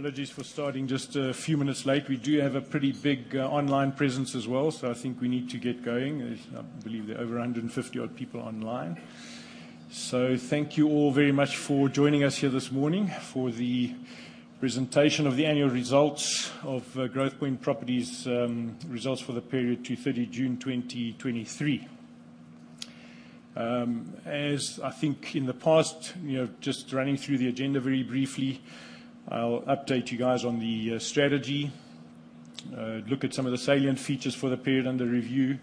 Apologies for starting just a few minutes late. We do have a pretty big online presence as well, so I think we need to get going. As I believe there are over 150 odd people online. So thank you all very much for joining us here this morning for the presentation of the annual results of Growthpoint Properties, results for the period to 30 June 2023. As I think in the past, you know, just running through the agenda very briefly, I'll update you guys on the strategy, look at some of the salient features for the period under review,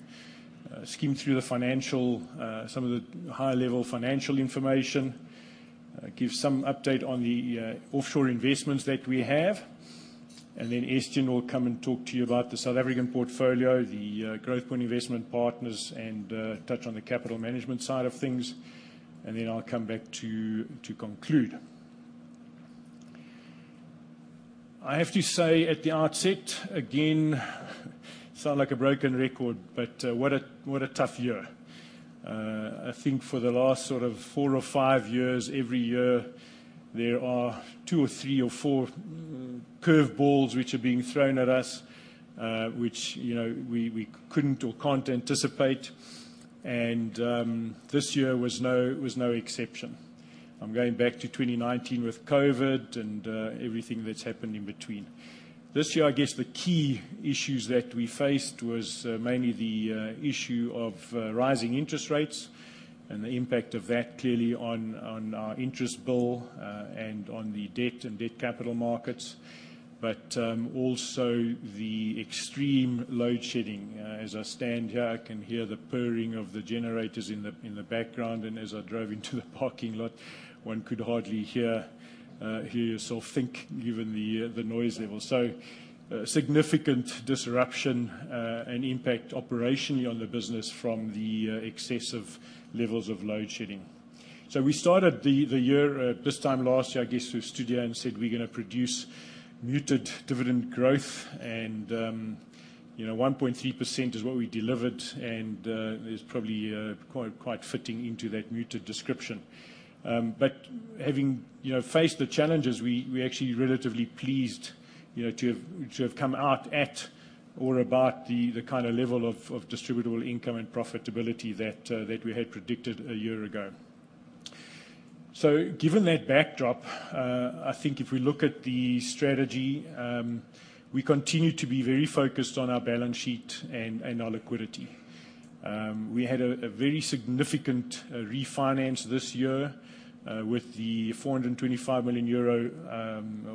skim through the financial, some of the high-level financial information, give some update on the offshore investments that we have, and then Estienne will come and talk to you about the South African portfolio, the Growthpoint Investment Partners, and touch on the capital management side of things. And then I'll come back to, to conclude. I have to say, at the outset, again, sound like a broken record, but what a, what a tough year. I think for the last sort of four or five years, every year, there are two or three or four, curve balls which are being thrown at us, which, you know, we, we couldn't or can't anticipate, and, this year was no, was no exception. I'm going back to 2019 with COVID and, everything that's happened in between. This year, I guess the key issues that we faced was, mainly the, issue of, rising interest rates and the impact of that clearly on, on our interest bill, and on the debt and debt capital markets, but, also the extreme load shedding. As I stand here, I can hear the purring of the generators in the background, and as I drove into the parking lot, one could hardly hear yourself think, given the noise level. So, significant disruption and impact operationally on the business from the excessive levels of load shedding. So we started the year this time last year, I guess, with stood here and said, "We're gonna produce muted dividend growth," and, you know, 1.3% is what we delivered, and it's probably quite fitting into that muted description. But having, you know, faced the challenges, we're actually relatively pleased, you know, to have come out at or about the kind of level of distributable income and profitability that we had predicted a year ago. So given that backdrop, I think if we look at the strategy, we continue to be very focused on our balance sheet and, and our liquidity. We had a, a very significant refinance this year, with the 425 million euro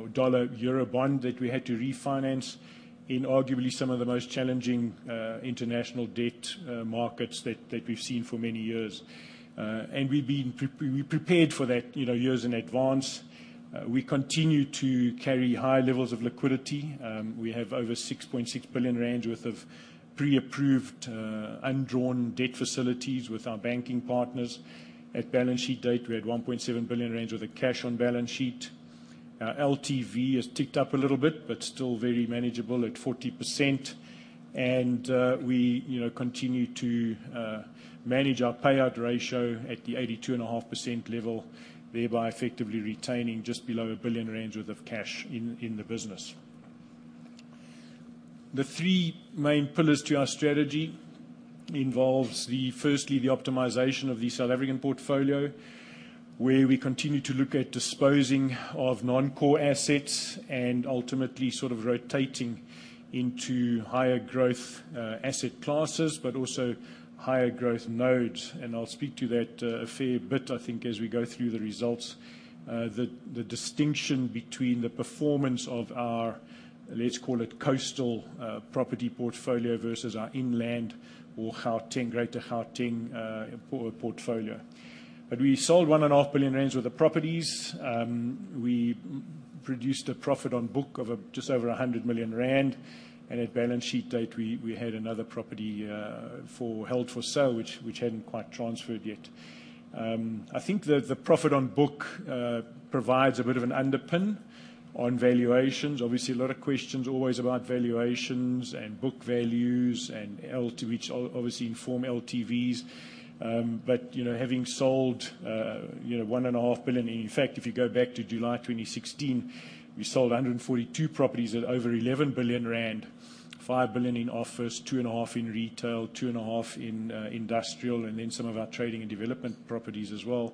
or dollar Eurobond that we had to refinance in arguably some of the most challenging international debt markets that, that we've seen for many years. And we've been prep- we prepared for that, you know, years in advance. We continue to carry high levels of liquidity. We have over 6.6 billion rand worth of pre-approved undrawn debt facilities with our banking partners. At balance sheet date, we had 1.7 billion rand, with cash on balance sheet. Our LTV has ticked up a little bit, but still very manageable at 40%. And, we, you know, continue to, manage our payout ratio at the 82.5% level, thereby effectively retaining just below 1 billion rand worth of cash in, in the business. The three main pillars to our strategy involves the, firstly, the optimization of the South African portfolio, where we continue to look at disposing of non-core assets and ultimately sort of rotating into higher growth, asset classes, but also higher growth nodes. And I'll speak to that, a fair bit, I think, as we go through the results. The, the distinction between the performance of our, let's call it, coastal, property portfolio versus our inland or Gauteng, Greater Gauteng, portfolio. But we sold 1.5 billion rand worth of properties. We produced a profit on book of just over 100 million rand, and at balance sheet date, we had another property held for sale, which hadn't quite transferred yet. I think the profit on book provides a bit of an underpin on valuations. Obviously, a lot of questions always about valuations and book values and LTVs to which obviously inform LTVs. But, you know, having sold, you know, 1.5 billion. In fact, if you go back to July 2016, we sold 142 properties at over 11 billion rand, 5 billion in office, 2.5 billion in retail, 2.5 billion in industrial, and then some of our trading and development properties as well.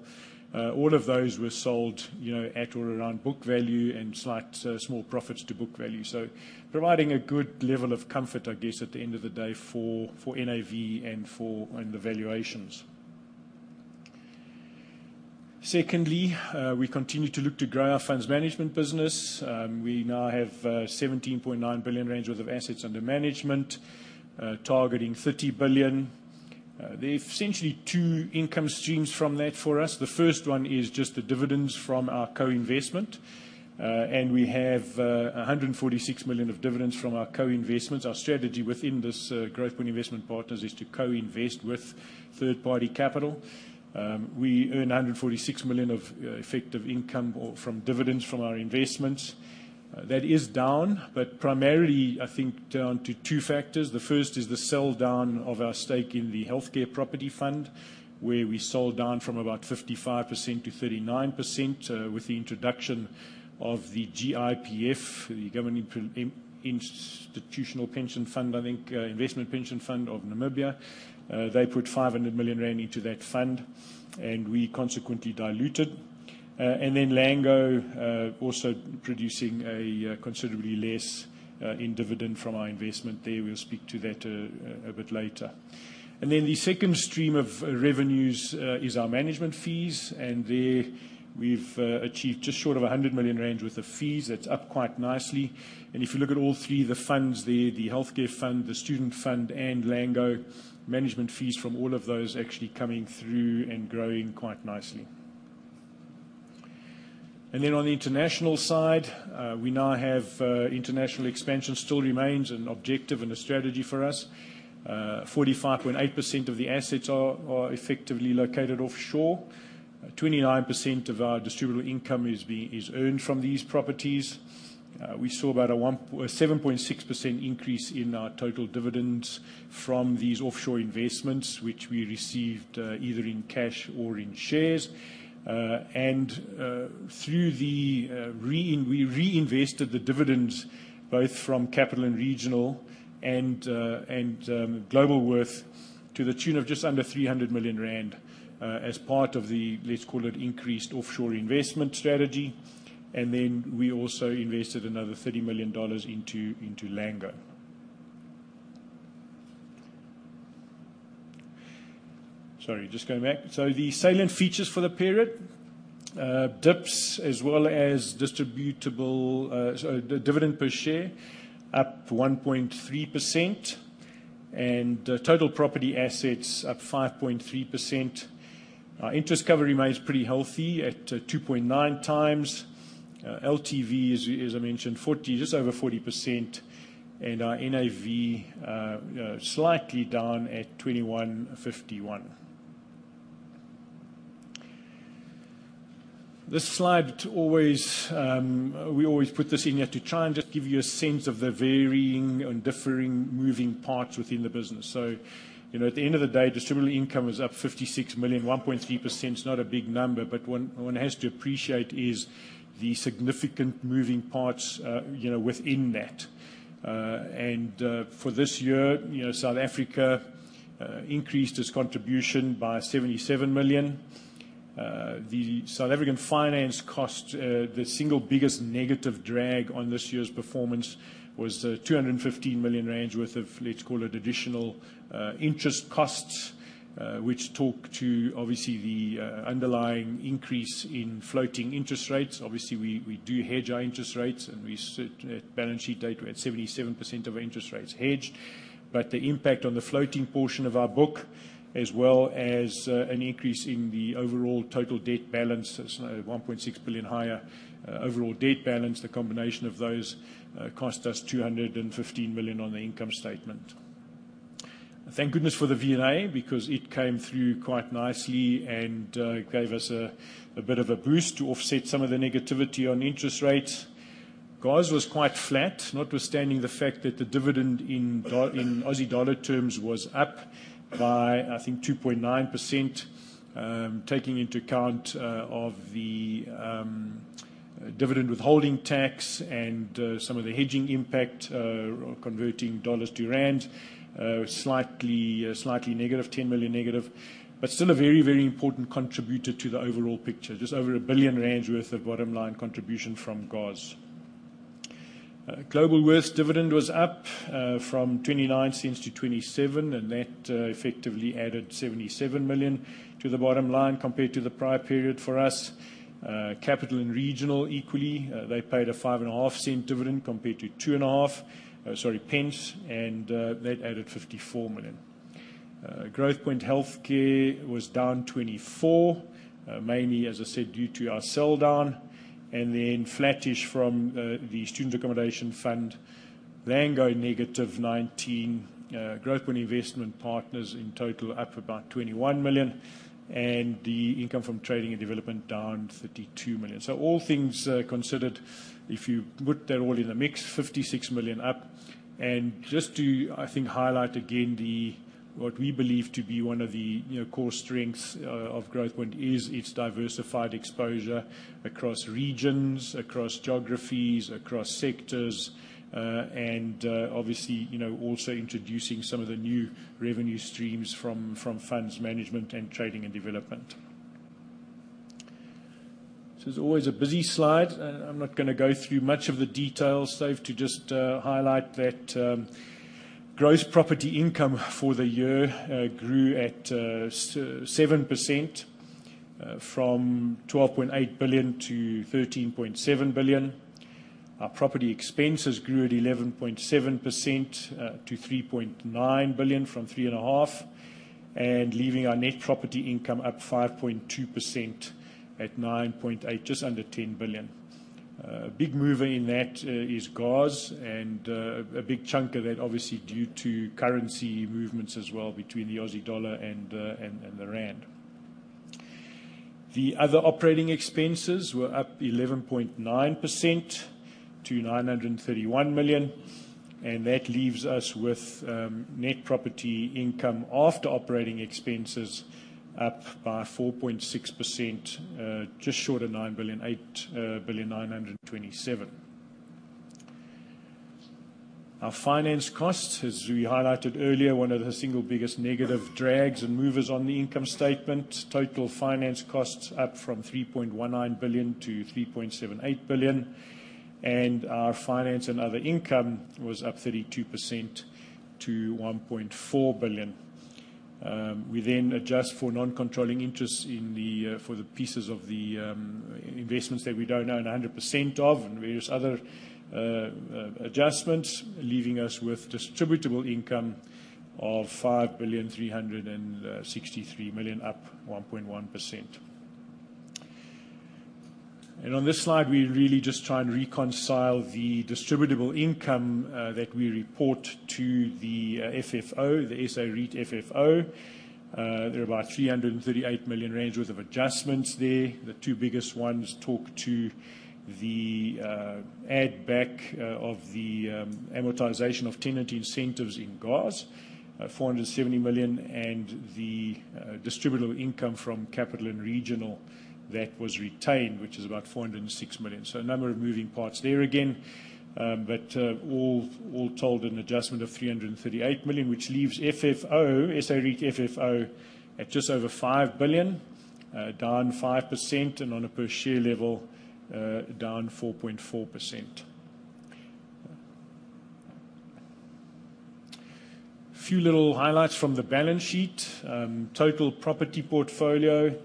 All of those were sold, you know, at or around book value and slight, small profits to book value, so providing a good level of comfort, I guess, at the end of the day, for, for NAV and for, and the valuations. Secondly, we continue to look to grow our funds management business. We now have 17.9 billion worth of assets under management, targeting 30 billion. There are essentially two income streams from that for us. The first one is just the dividends from our co-investment. And we have 146 million of dividends from our co-investments. Our strategy within this, Growthpoint Investment Partners, is to co-invest with third-party capital. We earn 146 million of effective income or from dividends from our investments. That is down, but primarily, I think, down to two factors. The first is the selldown of our stake in the Healthcare Property Fund, where we sold down from about 55%-39%, with the introduction of the GIPF, the Government Institutions Pension Fund of Namibia. They put 500 million rand into that fund, and we consequently diluted. And then Lango also producing considerably less in dividend from our investment there. We'll speak to that a bit later. And then the second stream of revenues is our management fees, and there we've achieved just short of 100 million worth of fees. That's up quite nicely. If you look at all three, the funds there, the healthcare fund, the student fund, and Lango, management fees from all of those actually coming through and growing quite nicely. On the international side, we now have international expansion still remains an objective and a strategy for us. 45.8% of the assets are effectively located offshore. 29% of our distributable income is earned from these properties. We saw about 7.6% increase in our total dividends from these offshore investments, which we received either in cash or in shares. We reinvested the dividends, both from Capital & Regional and Globalworth, to the tune of just under 300 million rand, as part of the, let's call it, increased offshore investment strategy. Then we also invested another $30 million into Lango. Sorry, just going back. So the salient features for the period, DIPS as well as distributable, so the dividend per share up 1.3%, and total property assets up 5.3%. Our interest cover remains pretty healthy at 2.9x. LTV, as I mentioned, 40, just over 40%, and our NAV slightly down at ZAR 21.51. This slide always, we always put this in here to try and just give you a sense of the varying and differing moving parts within the business. So, you know, at the end of the day, distributable income is up 56 million. 1.3% is not a big number, but one, one has to appreciate is the significant moving parts, you know, within that. And, for this year, you know, South Africa increased its contribution by 77 million. The South African finance cost, the single biggest negative drag on this year's performance was, two hundred and fifteen million rand worth of, let's call it, additional, interest costs, which talk to, obviously, the, underlying increase in floating interest rates. Obviously, we, we do hedge our interest rates, and we set... At balance sheet date, we're at 77% of our interest rates hedged. But the impact on the floating portion of our book, as well as, an increase in the overall total debt balance, 1.6 billion higher, overall debt balance, the combination of those, cost us 215 million on the income statement. Thank goodness for the V&A, because it came through quite nicely and, gave us a, a bit of a boost to offset some of the negativity on interest rates. GOZ was quite flat, notwithstanding the fact that the dividend in dol- in Aussie dollar terms was up by, I think, 2.9%. Taking into account of the dividend withholding tax and some of the hedging impact, converting dollars to rand, slightly negative, -10 million, but still a very, very important contributor to the overall picture. Just over 1 billion rand worth of bottom line contribution from GOZ. Globalworth dividend was up from 0.29 to 0.27, and that effectively added 77 million to the bottom line compared to the prior period for us. Capital & Regional, equally, they paid a 0.055 dividend compared to 0.025, sorry, pence, and that added 54 million. Growthpoint Healthcare was down 24, mainly, as I said, due to our sell down, and then flattish from the Student Accommodation Fund. Lango, negative 19. Growthpoint Investment Partners, in total, up about 21 million, and the income from trading and development, down 32 million. So all things considered, if you put that all in the mix, 56 million up. And just to, I think, highlight again, the... what we believe to be one of the, you know, core strengths of Growthpoint is its diversified exposure across regions, across geographies, across sectors, and, obviously, you know, also introducing some of the new revenue streams from funds management and trading and development. This is always a busy slide. I'm not gonna go through much of the details, save to just highlight that, gross property income for the year grew at 7%, from 12.8 billion to 13.7 billion.... Our property expenses grew at 11.7% to 3.9 billion from 3.5 billion, and leaving our net property income up 5.2% at 9.8 billion, just under 10 billion. Big mover in that is GOZ, and a big chunk of that obviously due to currency movements as well between the Aussie dollar and the rand. The other operating expenses were up 11.9% to 931 million, and that leaves us with net property income after operating expenses up by 4.6%, just short of 9 billion, 8.927 billion. Our finance costs, as we highlighted earlier, one of the single biggest negative drags and movers on the income statement. Total finance costs up from 3.19 billion to 3.78 billion, and our finance and other income was up 32% to 1.4 billion. We then adjust for non-controlling interests for the pieces of the investments that we don't own 100% of, and various other adjustments, leaving us with distributable income of 5.363 billion, up 1.1%. On this slide, we really just try and reconcile the distributable income that we report to the FFO, the SA REIT FFO. There are about 338 million rand worth of adjustments there. The two biggest ones talk to the add back of the amortization of tenant incentives in GOZ, 470 million, and the distributable income from Capital & Regional that was retained, which is about 406 million. So a number of moving parts there again, but all told, an adjustment of 338 million, which leaves FFO, SA REIT FFO, at just over 5 billion, down 5%, and on a per share level, down 4.4%. A few little highlights from the balance sheet. Total property portfolio,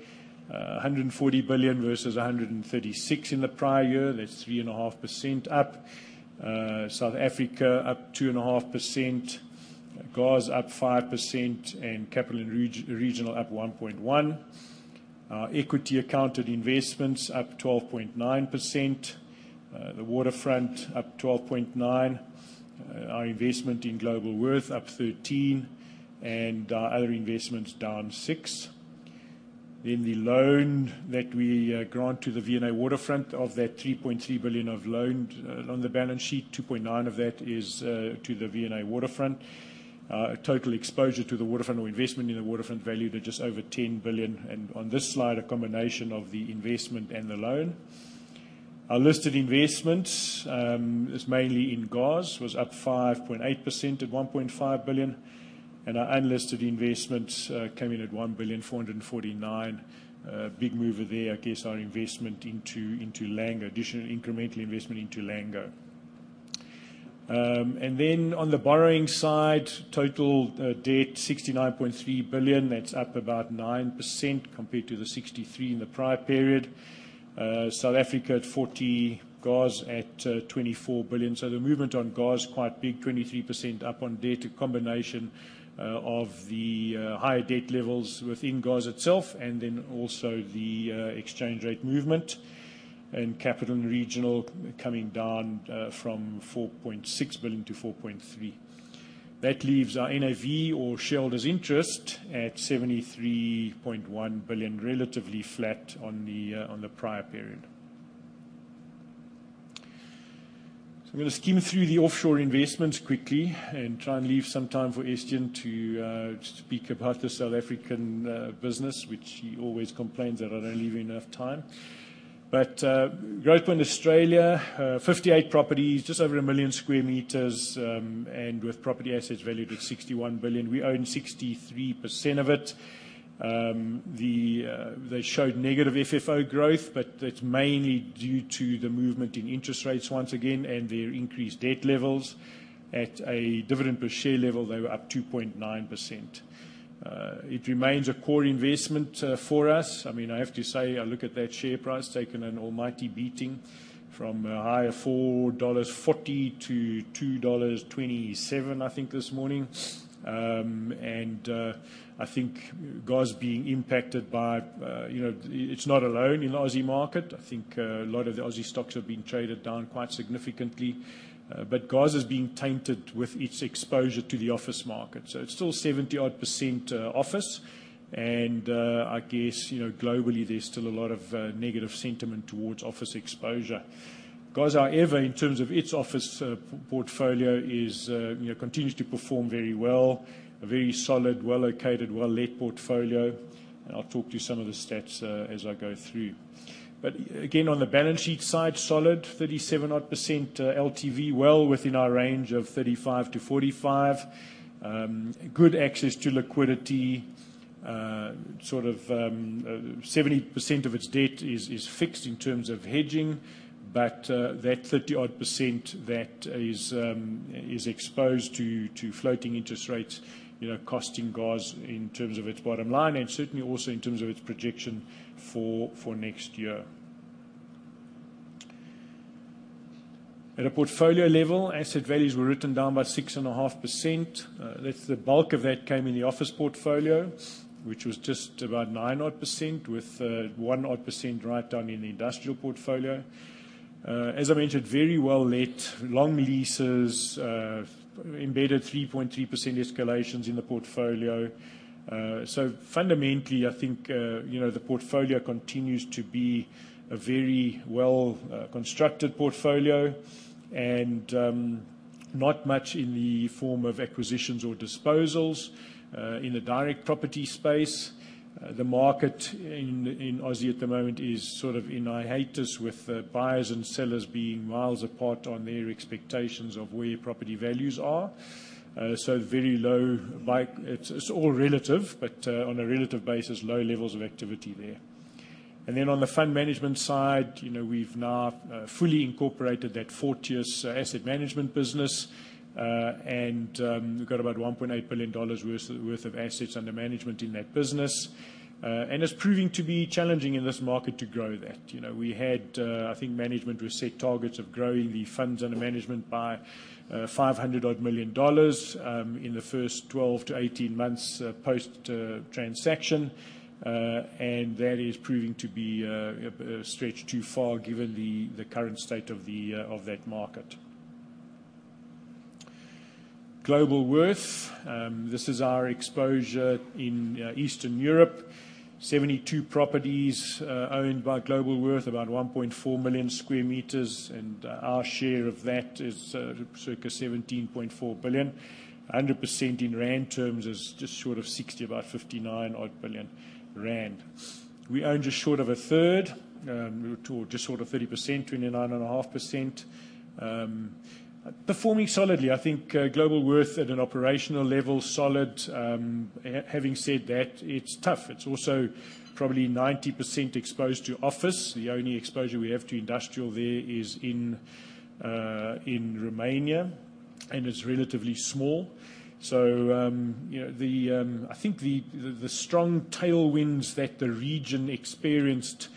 140 billion versus 136 billion in the prior year. That's 3.5% up. South Africa up 2.5%, GOZ up 5%, and Capital & Regional up 1.1%. Our equity accounted investments up 12.9%, the Waterfront up 12.9%, our investment in Globalworth up 13%, and our other investments down 6%. The loan that we grant to the V&A Waterfront, of that 3.3 billion of loans on the balance sheet, 2.9 billion of that is to the V&A Waterfront. Total exposure to the Waterfront or investment in the Waterfront valued at just over 10 billion, and on this slide, a combination of the investment and the loan. Our listed investments is mainly in GOZ, was up 5.8% at 1.5 billion, and our unlisted investments came in at 1.449 billion. Big mover there, I guess, our investment into, into Lango, additional incremental investment into Lango. Then on the borrowing side, total debt 69.3 billion. That's up about 9% compared to the 63 billion in the prior period. South Africa at 40 billion, GOZ at 24 billion. So the movement on GOZ quite big, 23% up on debt, a combination of the higher debt levels within GOZ itself, and then also the exchange rate movement, and Capital & Regional coming down from 4.6 billion to 4.3 billion. That leaves our NAV, or shareholders' interest, at 73.1 billion, relatively flat on the prior period. So I'm gonna skim through the offshore investments quickly and try and leave some time for Estienne to speak about the South African business, which he always complains that I don't leave him enough time. But Growthpoint Australia, 58 properties, just over 1 million sq m, and with property assets valued at 61 billion. We own 63% of it. They showed negative FFO growth, but that's mainly due to the movement in interest rates once again and their increased debt levels. At a dividend per share level, they were up 2.9%. It remains a core investment for us. I mean, I have to say, I look at that share price, taken an almighty beating from a high of 4.40 dollars to 2.27 dollars, I think, this morning. And I think GOZ being impacted by, you know, it's not alone in the Aussie market. I think a lot of the Aussie stocks have been traded down quite significantly, but GOZ is being tainted with its exposure to the office market. So it's still 70-odd% office, and I guess, you know, globally, there's still a lot of negative sentiment towards office exposure. GOZ, however, in terms of its office portfolio, is you know continues to perform very well, a very solid, well-located, well-let portfolio, and I'll talk to you some of the stats as I go through. But again, on the balance sheet side, solid, 37-odd% LTV, well within our range of 35-45. Good access to liquidity. Sort of, 70% of its debt is fixed in terms of hedging, but that 30-odd% that is exposed to floating interest rates, you know, costing GOZ in terms of its bottom line, and certainly also in terms of its projection for next year. At a portfolio level, asset values were written down by 6.5%. That's the bulk of that came in the office portfolio, which was just about 9-odd%, with one-odd% write down in the industrial portfolio. As I mentioned, very well let long leases, embedded 3.3% escalations in the portfolio. So fundamentally, I think, you know, the portfolio continues to be a very well constructed portfolio and not much in the form of acquisitions or disposals. In the direct property space, the market in Aussie at the moment is sort of in a hiatus, with buyers and sellers being miles apart on their expectations of where property values are. So very low buy. It's all relative, but on a relative basis, low levels of activity there. And then on the fund management side, you know, we've now fully incorporated that Fortius asset management business. And we've got about 1.8 billion dollars worth of assets under management in that business. And it's proving to be challenging in this market to grow that. You know, we had... I think management would set targets of growing the funds under management by 500 million dollars odd in the first 12-18 months post transaction. That is proving to be stretched too far given the current state of that market. Globalworth, this is our exposure in Eastern Europe. 72 properties owned by Globalworth, about 1.4 million sq m, and our share of that is circa 17.4 billion. 100% in rand terms is just short of 60, about 59-odd billion rand. We own just short of a third, just short of 30%, 29.5%. Performing solidly. I think Globalworth at an operational level, solid. Having said that, it's tough. It's also probably 90% exposed to office. The only exposure we have to industrial there is in Romania, and it's relatively small. So, you know, the... I think the strong tailwinds that the region experienced,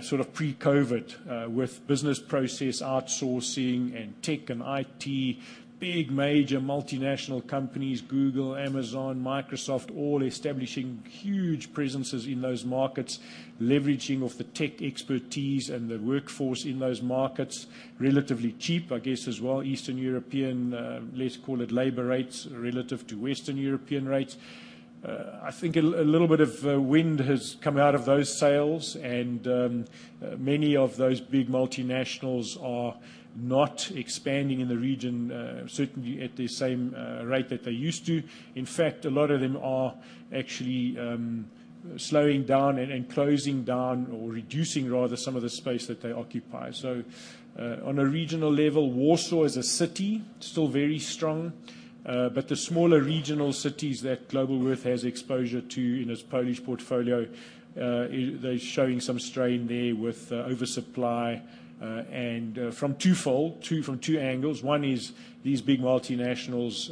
sort of pre-COVID, with business process outsourcing and tech and IT, big major multinational companies, Google, Amazon, Microsoft, all establishing huge presences in those markets, leveraging of the tech expertise and the workforce in those markets. Relatively cheap, I guess, as well. Eastern European, let's call it labor rates, relative to Western European rates. I think a little bit of wind has come out of those sails, and many of those big multinationals are not expanding in the region, certainly at the same rate that they used to. In fact, a lot of them are actually slowing down and closing down, or reducing, rather, some of the space that they occupy. So, on a regional level, Warsaw, as a city, still very strong. But the smaller regional cities that Globalworth has exposure to in its Polish portfolio, they're showing some strain there with oversupply, and from two angles. One is these big multinationals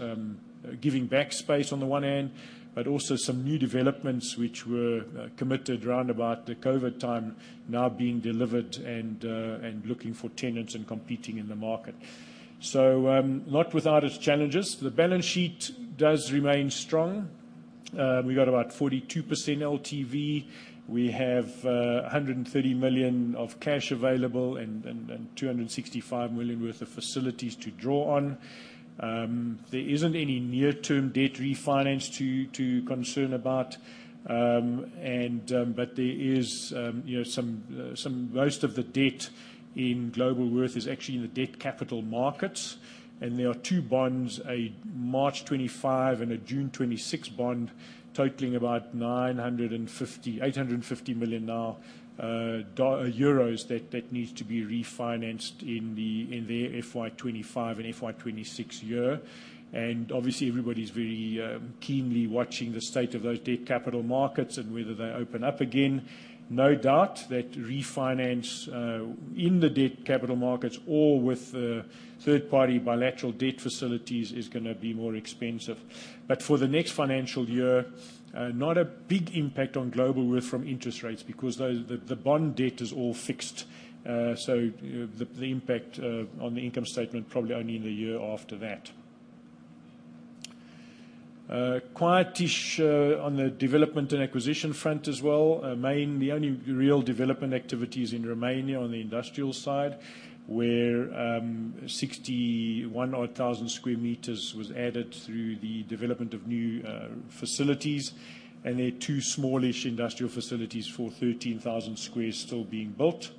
giving back space on the one hand, but also some new developments which were committed round about the COVID time now being delivered and looking for tenants and competing in the market. So, not without its challenges. The balance sheet does remain strong. We got about 42% LTV. We have 130 million of cash available and 265 million worth of facilities to draw on. There isn't any near-term debt refinance to concern about, and but there is, you know, some, some... Most of the debt in Globalworth is actually in the debt capital markets, and there are two bonds, a March 2025 and a June 2026 bond, totaling about 850 million euros, that needs to be refinanced in the FY 2025 and FY 2026 year. And obviously, everybody's very keenly watching the state of those debt capital markets and whether they open up again. No doubt that refinance in the debt capital markets or with third-party bilateral debt facilities is gonna be more expensive. But for the next financial year, not a big impact on Globalworth from interest rates because the bond debt is all fixed. So the impact on the income statement, probably only in the year after that. Quietish on the development and acquisition front as well. Mainly, the only real development activity is in Romania on the industrial side, where 61,000 sq m was added through the development of new facilities, and there are two smallish industrial facilities for 13,000 sq m still being built.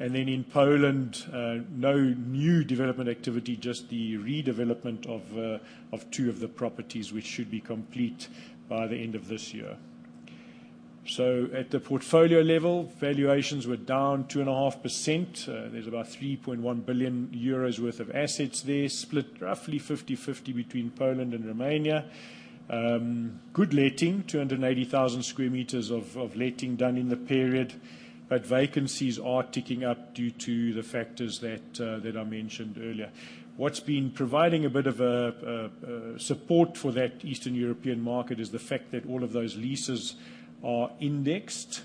And then in Poland, no new development activity, just the redevelopment of two of the properties, which should be complete by the end of this year. So at the portfolio level, valuations were down 2.5%. There's about 3.1 billion euros worth of assets there, split roughly 50/50 between Poland and Romania. Good letting, 280,000 sq m of letting done in the period, but vacancies are ticking up due to the factors that I mentioned earlier. What's been providing a bit of a support for that Eastern European market is the fact that all of those leases are indexed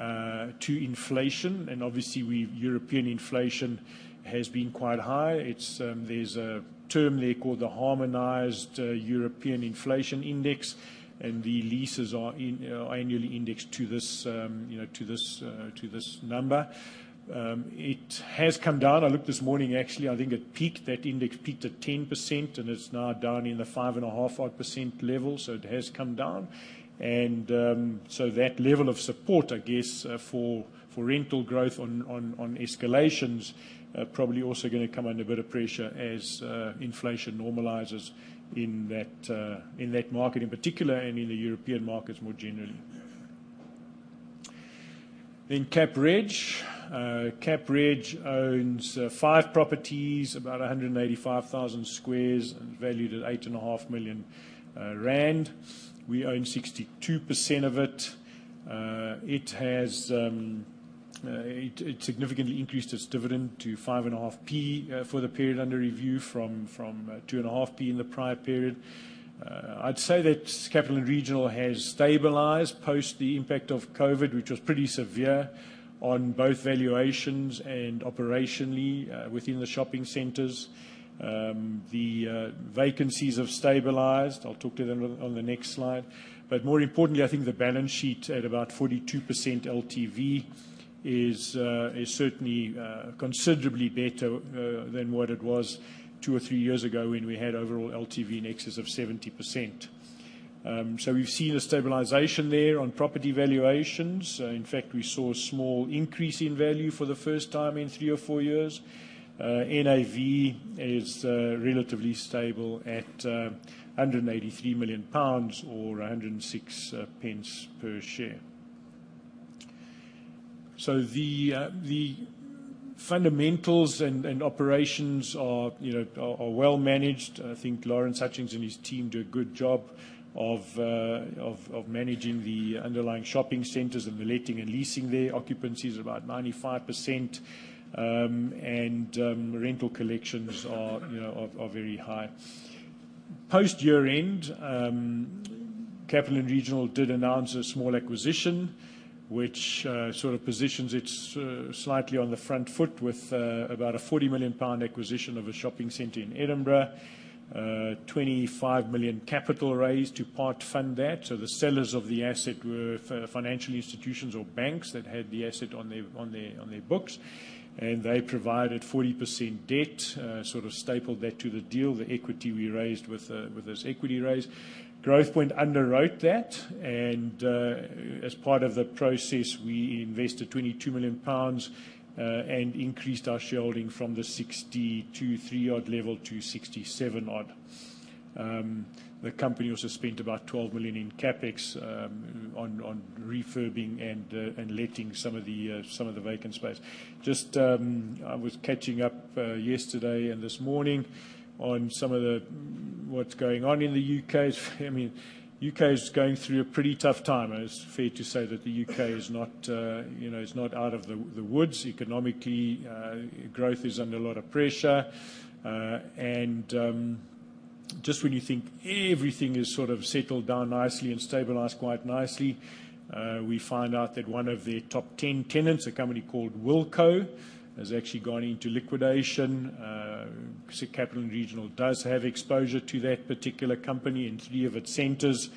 to inflation, and obviously, we've European inflation has been quite high. It's there’s a term there called the Harmonized European Inflation Index, and the leases are annually indexed to this, you know, to this number. It has come down. I looked this morning, actually, I think it peaked, that index peaked at 10%, and it's now down in the 5.5%-5% level, so it has come down. So that level of support, I guess, for rental growth on escalations, probably also gonna come under a bit of pressure as inflation normalizes in that market in particular, and in the European markets more generally. CapReg owns five properties, about 185,000 squares, and valued at 8.5 million rand. We own 62% of it. It has significantly increased its dividend to 5.5p for the period under review, from 2.5p in the prior period. I'd say that Capital & Regional has stabilized post the impact of COVID, which was pretty severe on both valuations and operationally within the shopping centers. The vacancies have stabilized. I'll talk to them on the next slide. But more importantly, I think the balance sheet at about 42% LTV is certainly considerably better than what it was two or three years ago when we had overall LTV in excess of 70%. So we've seen a stabilization there on property valuations. In fact, we saw a small increase in value for the first time in three or four years. NAV is relatively stable at 183 million pounds or 106 pence per share. So the fundamentals and operations are, you know, well managed. I think Lawrence Hutchings and his team do a good job of managing the underlying shopping centers and the letting and leasing there. Occupancy is about 95%, and rental collections are, you know, very high. Post year-end, Capital & Regional did announce a small acquisition, which sort of positions it slightly on the front foot with about a 40 million pound acquisition of a shopping center in Edinburgh. Twenty-five million capital raised to part-fund that, so the sellers of the asset were financial institutions or banks that had the asset on their books, and they provided 40% debt sort of stapled that to the deal, the equity we raised with this equity raise. Growthpoint underwrote that, and as part of the process, we invested 22 million pounds, and increased our shareholding from the 62.3 odd level to 67 odd. The company also spent about 12 million in CapEx on refurbing and letting some of the vacant space. Just, I was catching up yesterday and this morning on some of what's going on in the U.K. I mean, the U.K. is going through a pretty tough time. It's fair to say that the U.K. is not, you know, out of the woods economically. Growth is under a lot of pressure, and just when you think everything is sort of settled down nicely and stabilized quite nicely, we find out that one of their top 10 tenants, a company called Wilko, has actually gone into liquidation. So Capital & Regional does have exposure to that particular company in three of its centers,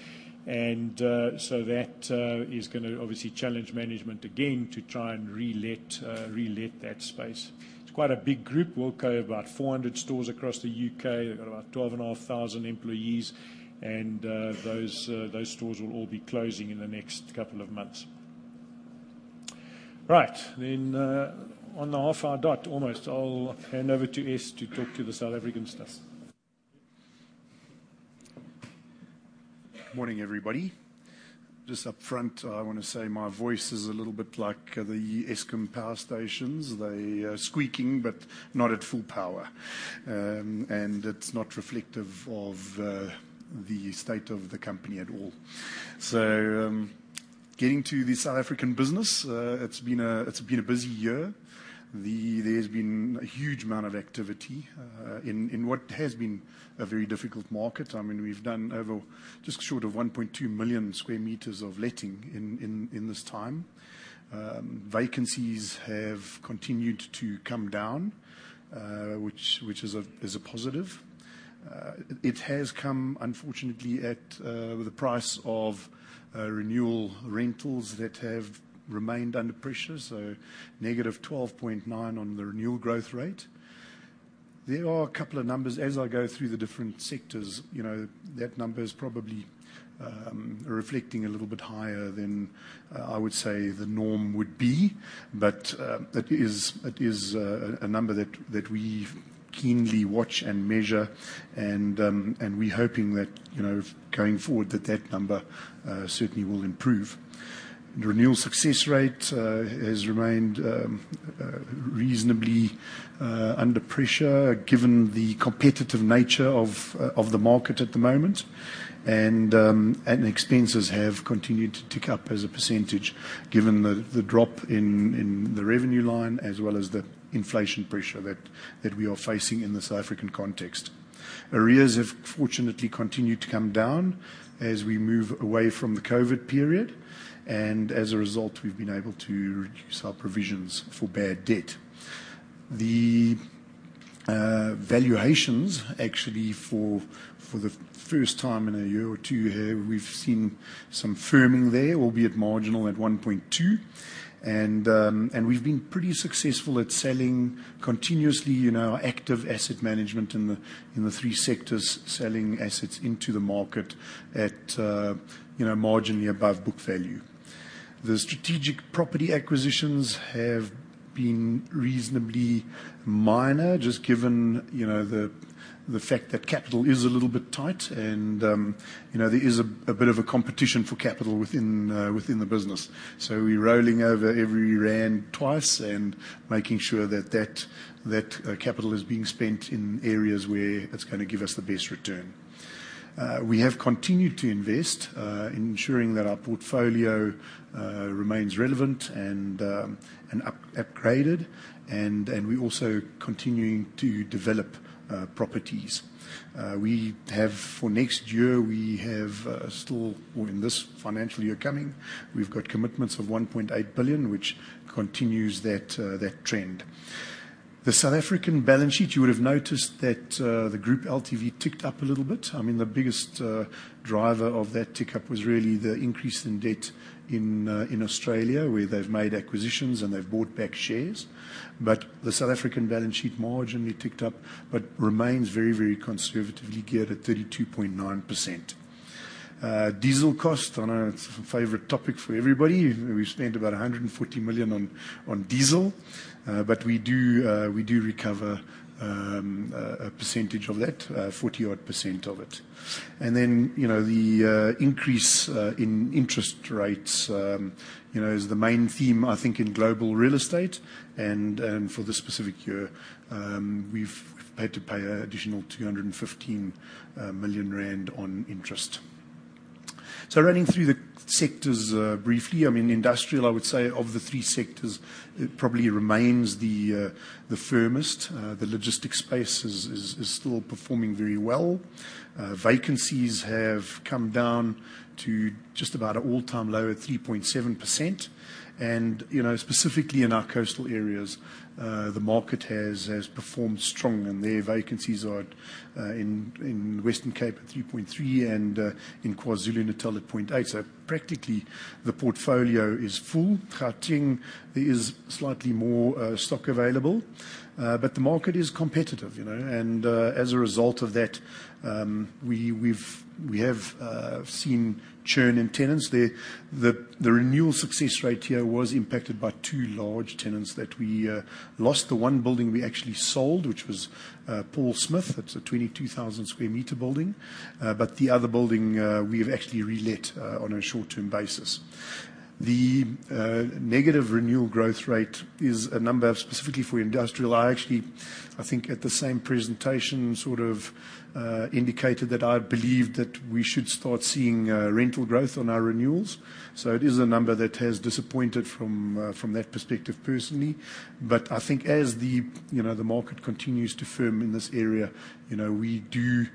and, so that, is gonna obviously challenge management again to try and relet, relet that space. It's quite a big group, Wilko, about 400 stores across the UK. They've got about 12,500 employees, and, those, those stores will all be closing in the next couple of months. Right. Then, on the half-hour dot, almost, I'll hand over to Ess to talk to the South African business. Good morning, everybody. Just upfront, I wanna say my voice is a little bit like the Eskom power stations. They are squeaking, but not at full power, and it's not reflective of the state of the company at all. So, getting to the South African business, it's been a busy year. There's been a huge amount of activity in what has been a very difficult market. I mean, we've done over, just short of 1.2 million sq m of letting in this time. Vacancies have continued to come down, which is a positive. It has come, unfortunately, at the price of renewal rentals that have remained under pressure, so -12.9% on the renewal growth rate. There are a couple of numbers as I go through the different sectors, you know, that number is probably, reflecting a little bit higher than, I would say the norm would be, but, that is, it is, a number that, that we keenly watch and measure, and, and we're hoping that, you know, going forward, that that number, certainly will improve. Renewal success rate, has remained, reasonably, under pressure, given the competitive nature of, of the market at the moment. And, expenses have continued to tick up as a percentage, given the, the drop in, in the revenue line, as well as the inflation pressure that, that we are facing in the South African context. Arrears have fortunately continued to come down as we move away from the COVID period, and as a result, we've been able to reduce our provisions for bad debt. Valuations, actually, for the first time in a year or two here, we've seen some firming there, albeit marginal at 1.2. And we've been pretty successful at selling continuously, you know, active asset management in the three sectors, selling assets into the market at, you know, marginally above book value. The strategic property acquisitions have been reasonably minor, just given, you know, the fact that capital is a little bit tight and, you know, there is a bit of a competition for capital within the business. We're rolling over every rand twice and making sure that capital is being spent in areas where it's gonna give us the best return. We have continued to invest in ensuring that our portfolio remains relevant and upgraded, and we're also continuing to develop properties. For next year, we have still, or in this financial year coming, we've got commitments of 1.8 billion, which continues that trend. The South African balance sheet, you would have noticed that the group LTV ticked up a little bit. I mean, the biggest driver of that tick up was really the increase in debt in Australia, where they've made acquisitions and they've bought back shares. But the South African balance sheet marginally ticked up, but remains very, very conservatively geared at 32.9%. Diesel cost, I know it's a favorite topic for everybody. We spent about 140 million on diesel, but we do recover a percentage of that, 40-odd% of it. And then, you know, the increase in interest rates, you know, is the main theme, I think, in global real estate, and for this specific year, we've had to pay an additional 215 million rand on interest. So running through the sectors briefly, I mean, industrial, I would say, of the three sectors, it probably remains the firmest. The logistics space is still performing very well. Vacancies have come down to just about an all-time low at 3.7%. You know, specifically in our coastal areas, the market has performed strong, and their vacancies are in Western Cape at 3.3% and in KwaZulu-Natal at 0.8%. So practically, the portfolio is full. Gauteng, there is slightly more stock available, but the market is competitive, you know, and as a result of that, we have seen churn in tenants. The renewal success rate here was impacted by two large tenants that we lost. The one building we actually sold, which was Paul Smith. It's a 22,000 sq m building, but the other building, we have actually relet on a short-term basis. The negative renewal growth rate is a number specifically for industrial. I actually, I think at the same presentation, sort of, indicated that I believe that we should start seeing rental growth on our renewals. So it is a number that has disappointed from from that perspective, personally. But I think as the, you know, the market continues to firm in this area, you know, we do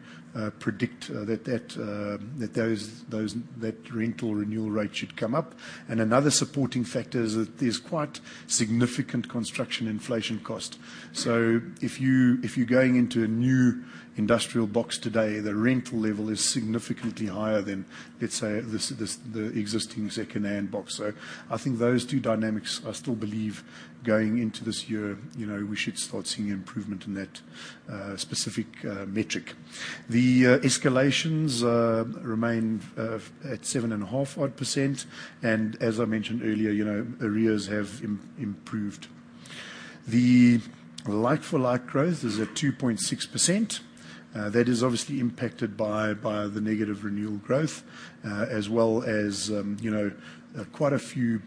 predict that that those, those, that rental renewal rate should come up. And another supporting factor is that there's quite significant construction inflation cost. So if you, if you're going into a new industrial box today, the rental level is significantly higher than, let's say, the the existing secondhand box. So I think those two dynamics, I still believe, going into this year, you know, we should start seeing improvement in that specific metric. The escalations remain at 7.5-odd%, and as I mentioned earlier, you know, arrears have improved. The like-for-like growth is at 2.6%. That is obviously impacted by the negative renewal growth, as well as, you know, quite a few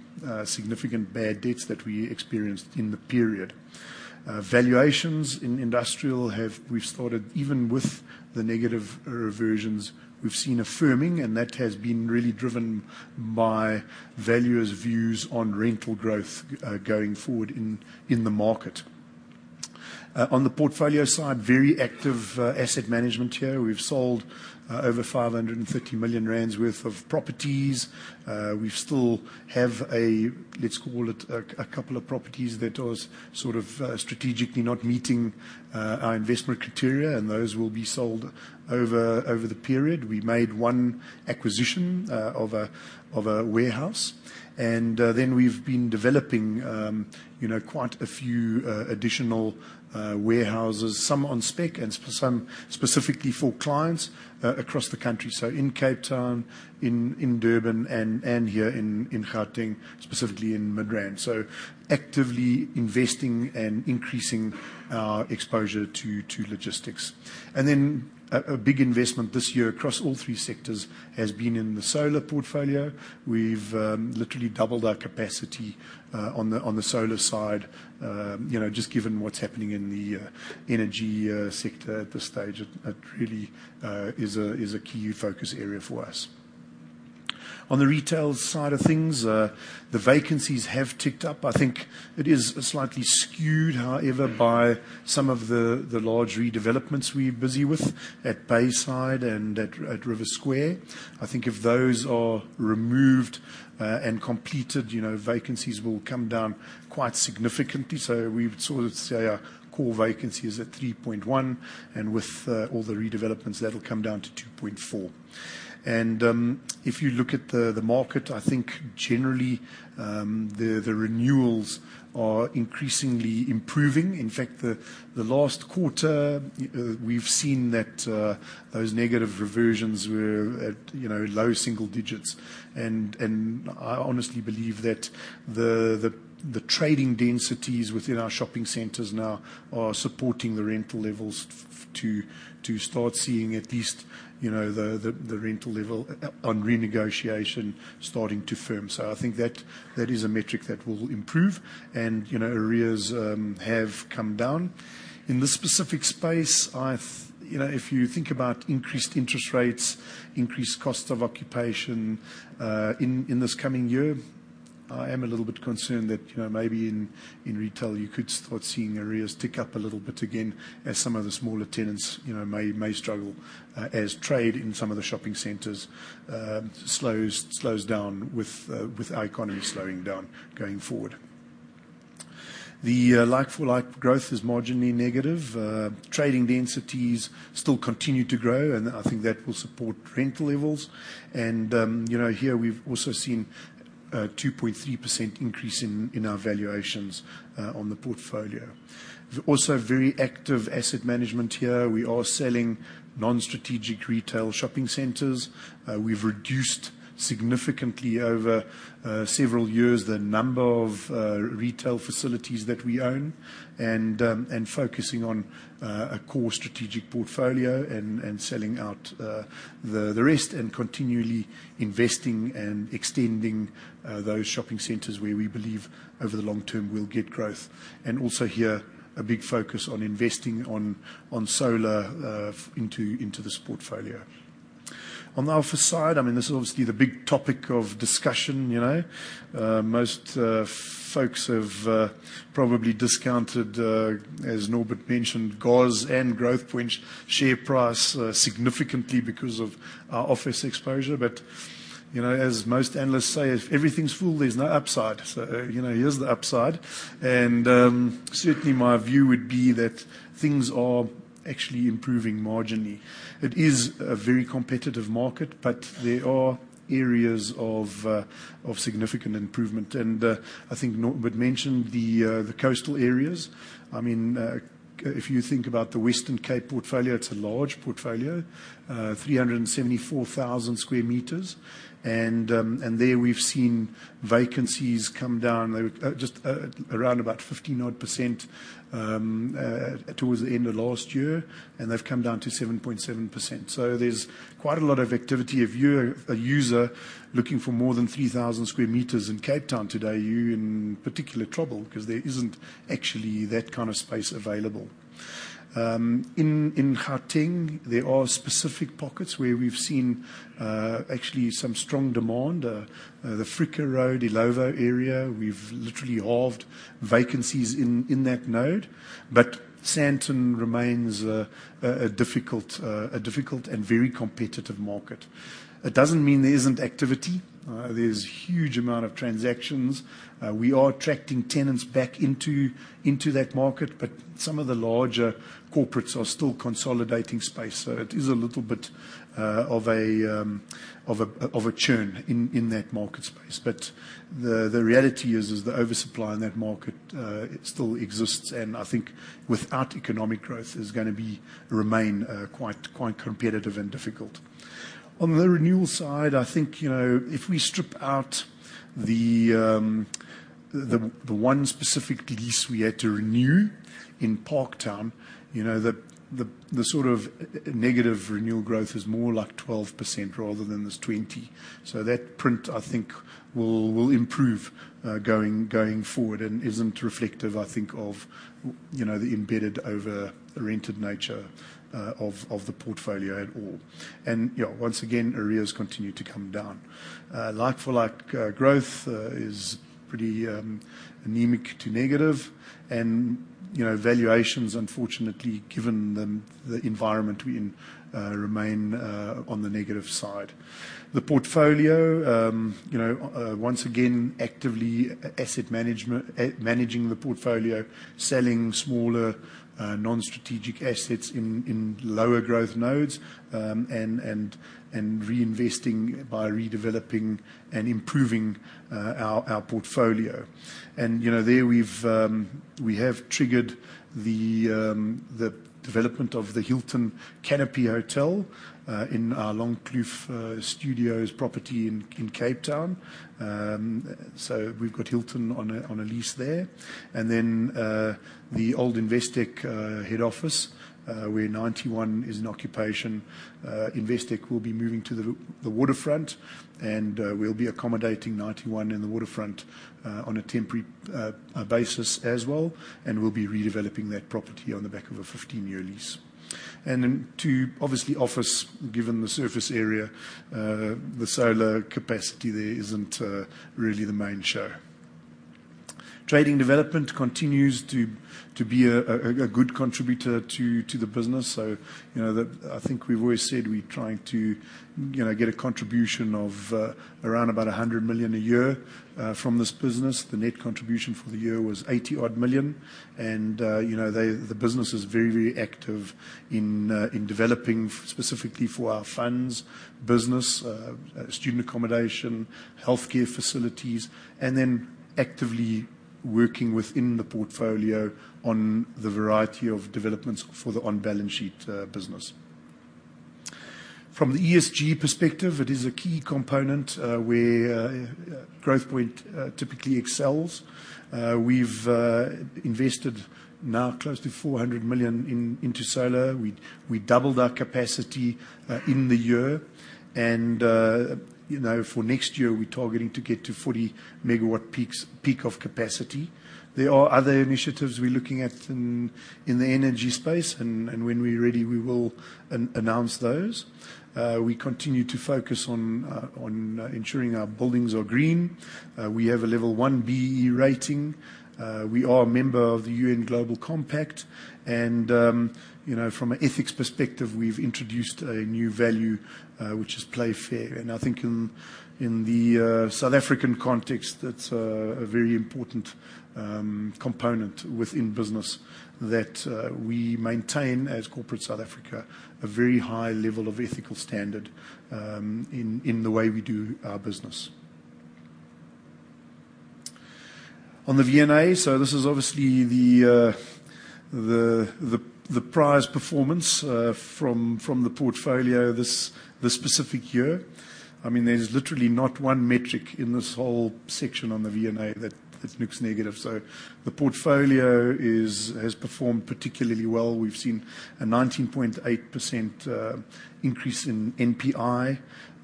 significant bad debts that we experienced in the period. Valuations in industrial have. We've started, even with the negative reversions, we've seen a firming, and that has been really driven by valuers' views on rental growth going forward in the market. On the portfolio side, very active asset management here. We've sold over 530 million rand worth of properties. We still have a, let's call it, a couple of properties that was sort of strategically not meeting our investment criteria, and those will be sold over the period. We made one acquisition of a warehouse, and then we've been developing, you know, quite a few additional warehouses, some on spec and some specifically for clients across the country. So in Cape Town, in Durban, and here in Gauteng, specifically in Midrand. So actively investing and increasing our exposure to logistics. And then a big investment this year across all three sectors has been in the solar portfolio. We've literally doubled our capacity on the solar side. You know, just given what's happening in the energy sector at this stage, it really is a key focus area for us. On the retail side of things, the vacancies have ticked up. I think it is slightly skewed, however, by some of the large redevelopments we're busy with at Bayside and at River Square. I think if those are removed and completed, you know, vacancies will come down quite significantly. So we would sort of say our core vacancy is at 3.1, and with all the redevelopments, that'll come down to 2.4. If you look at the market, I think generally the renewals are increasingly improving. In fact, the last quarter, we've seen that those negative reversions were at, you know, low single digits. I honestly believe that the trading densities within our shopping centers now are supporting the rental levels to start seeing at least, you know, the rental level on renegotiation starting to firm. I think that is a metric that will improve and, you know, arrears have come down. In this specific space, you know, if you think about increased interest rates, increased cost of occupation in this coming year, I am a little bit concerned that, you know, maybe in retail, you could start seeing arrears tick up a little bit again as some of the smaller tenants, you know, may struggle as trade in some of the shopping centers slows down with the economy slowing down going forward. Like-for-like growth is marginally negative. Trading densities still continue to grow, and I think that will support rental levels. And, you know, here we've also seen a 2.3% increase in our valuations on the portfolio. Also, very active asset management here. We are selling non-strategic retail shopping centers. We've reduced significantly over several years the number of retail facilities that we own, and focusing on a core strategic portfolio and selling out the rest, and continually investing and extending those shopping centers where we believe over the long term we'll get growth. And also here, a big focus on investing on solar into this portfolio. On the office side, I mean, this is obviously the big topic of discussion, you know. Most folks have probably discounted, as Norbert mentioned, GOZ and Growthpoint share price significantly because of our office exposure. But, you know, as most analysts say, "If everything's full, there's no upside." So, you know, here's the upside, and certainly my view would be that things are actually improving marginally. It is a very competitive market, but there are areas of significant improvement. And I think Norbert mentioned the coastal areas. I mean, if you think about the Western Cape portfolio, it's a large portfolio, 374,000 sq m. And there we've seen vacancies come down just around about 15 odd % towards the end of last year, and they've come down to 7.7%. So there's quite a lot of activity. If you're a user looking for more than 3,000 sq m in Cape Town today, you're in particular trouble because there isn't actually that kind of space available. In Gauteng, there are specific pockets where we've seen actually some strong demand. The Fricker Road, Illovo area, we've literally halved vacancies in that node. But Sandton remains a difficult and very competitive market. It doesn't mean there isn't activity. There's huge amount of transactions. We are attracting tenants back into that market, but some of the larger corporates are still consolidating space, so it is a little bit of a churn in that market space. But the reality is the oversupply in that market, it still exists, and I think without economic growth, is gonna be... It remains quite competitive and difficult. On the renewal side, I think, you know, if we strip out the one specific lease we had to renew in Parktown, you know, the sort of negative renewal growth is more like 12% rather than this 20%. So that print, I think, will improve going forward, and isn't reflective, I think, of, you know, the embedded over-rented nature of the portfolio at all. And, yeah, once again, arrears continue to come down. Like-for-like growth is pretty anemic to negative, and, you know, valuations, unfortunately, given the environment we're in, remain on the negative side. The portfolio, you know, once again, actively asset management, managing the portfolio, selling smaller, non-strategic assets in lower growth nodes, and reinvesting by redeveloping and improving our portfolio. And, you know, there we've triggered the development of the Hilton Canopy Hotel in our Longkloof Studios property in Cape Town. So we've got Hilton on a lease there. And then, the old Investec head office, where Ninety One is in occupation, Investec will be moving to the waterfront, and we'll be accommodating Ninety One in the waterfront on a temporary basis as well, and we'll be redeveloping that property on the back of a 15-year lease. And then too, obviously, office, given the surface area, the solar capacity there isn't really the main show. Trading development continues to be a good contributor to the business. So, you know, that, I think we've always said we're trying to, you know, get a contribution of around about 100 million a year from this business. The net contribution for the year was 80-odd million, and, you know, they, the business is very, very active in developing specifically for our funds business, student accommodation, healthcare facilities, and then actively working within the portfolio on the variety of developments for the on-balance sheet business. From the ESG perspective, it is a key component where Growthpoint typically excels. We've invested now close to 400 million into solar. We doubled our capacity in the year, and, you know, for next year, we're targeting to get to 40 MW peak of capacity. There are other initiatives we're looking at in the energy space, and when we're ready, we will announce those. We continue to focus on ensuring our buildings are green. We have a level one BEE rating. We are a member of the UN Global Compact, and, you know, from an ethics perspective, we've introduced a new value, which is Play Fair. And I think in the South African context, that's a very important component within business that we maintain, as corporate South Africa, a very high level of ethical standard, in the way we do our business. On the V&A, so this is obviously the prize performance from the portfolio this specific year. I mean, there's literally not one metric in this whole section on the V&A that looks negative. So the portfolio has performed particularly well. We've seen a 19.8% increase in NPI.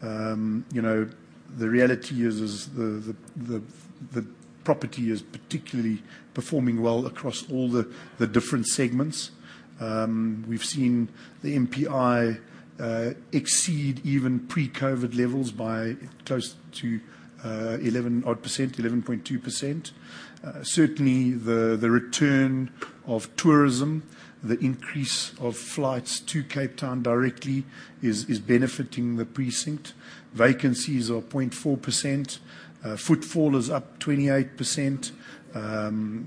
You know, the reality is the property is particularly performing well across all the different segments. We've seen the NPI exceed even pre-COVID levels by close to eleven odd percent, 11.2%. Certainly, the return of tourism, the increase of flights to Cape Town directly is benefiting the precinct. Vacancies are 0.4%. Footfall is up 28%.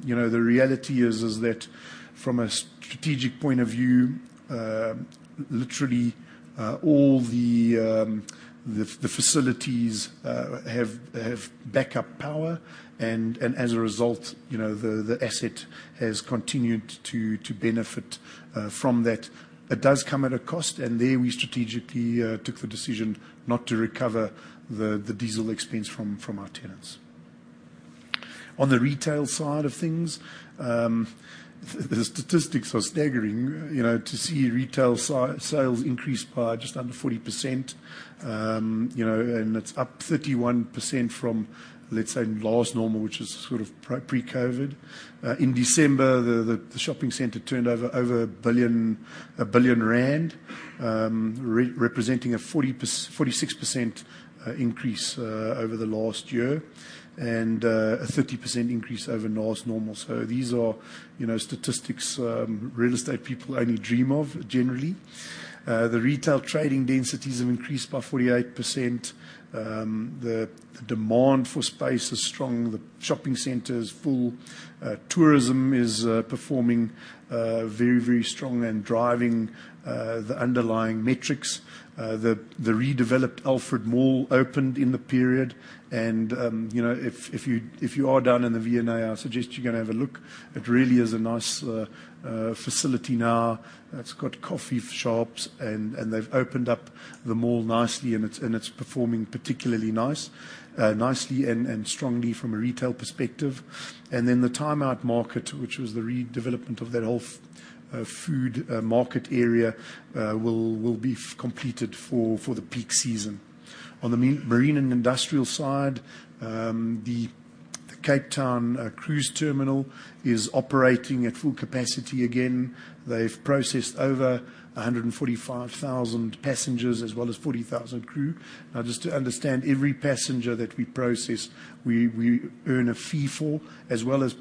You know, the reality is, is that from a strategic point of view, literally, all the, the, the facilities, have, have backup power, and, and as a result, you know, the, the asset has continued to, to benefit, from that. It does come at a cost, and there, we strategically, took the decision not to recover the, the diesel expense from, from our tenants. On the retail side of things, the, the statistics are staggering, you know, to see retail sales increase by just under 40%. You know, and it's up 31% from, let's say, last normal, which is sort of pre-COVID. In December, the, the, the shopping center turned over over a billion, a billion rand, representing a 40 per... 46% increase over the last year, and a 30% increase over last normal. So these are, you know, statistics real estate people only dream of, generally. The retail trading densities have increased by 48%. The demand for space is strong. The shopping center is full. Tourism is performing very, very strongly and driving the underlying metrics. The redeveloped Alfred Mall opened in the period, and, you know, if you are down in the V&A, I suggest you gonna have a look. It really is a nice facility now. It's got coffee shops, and they've opened up the mall nicely, and it's performing particularly nice, nicely and strongly from a retail perspective. And then the Time Out Market, which was the redevelopment of that whole food market area, will be completed for the peak season. On the marine and industrial side, the Cape Town cruise terminal is operating at full capacity again. They've processed over 145,000 passengers, as well as 40,000 crew. Now, just to understand, every passenger that we process, we earn a fee for, as well as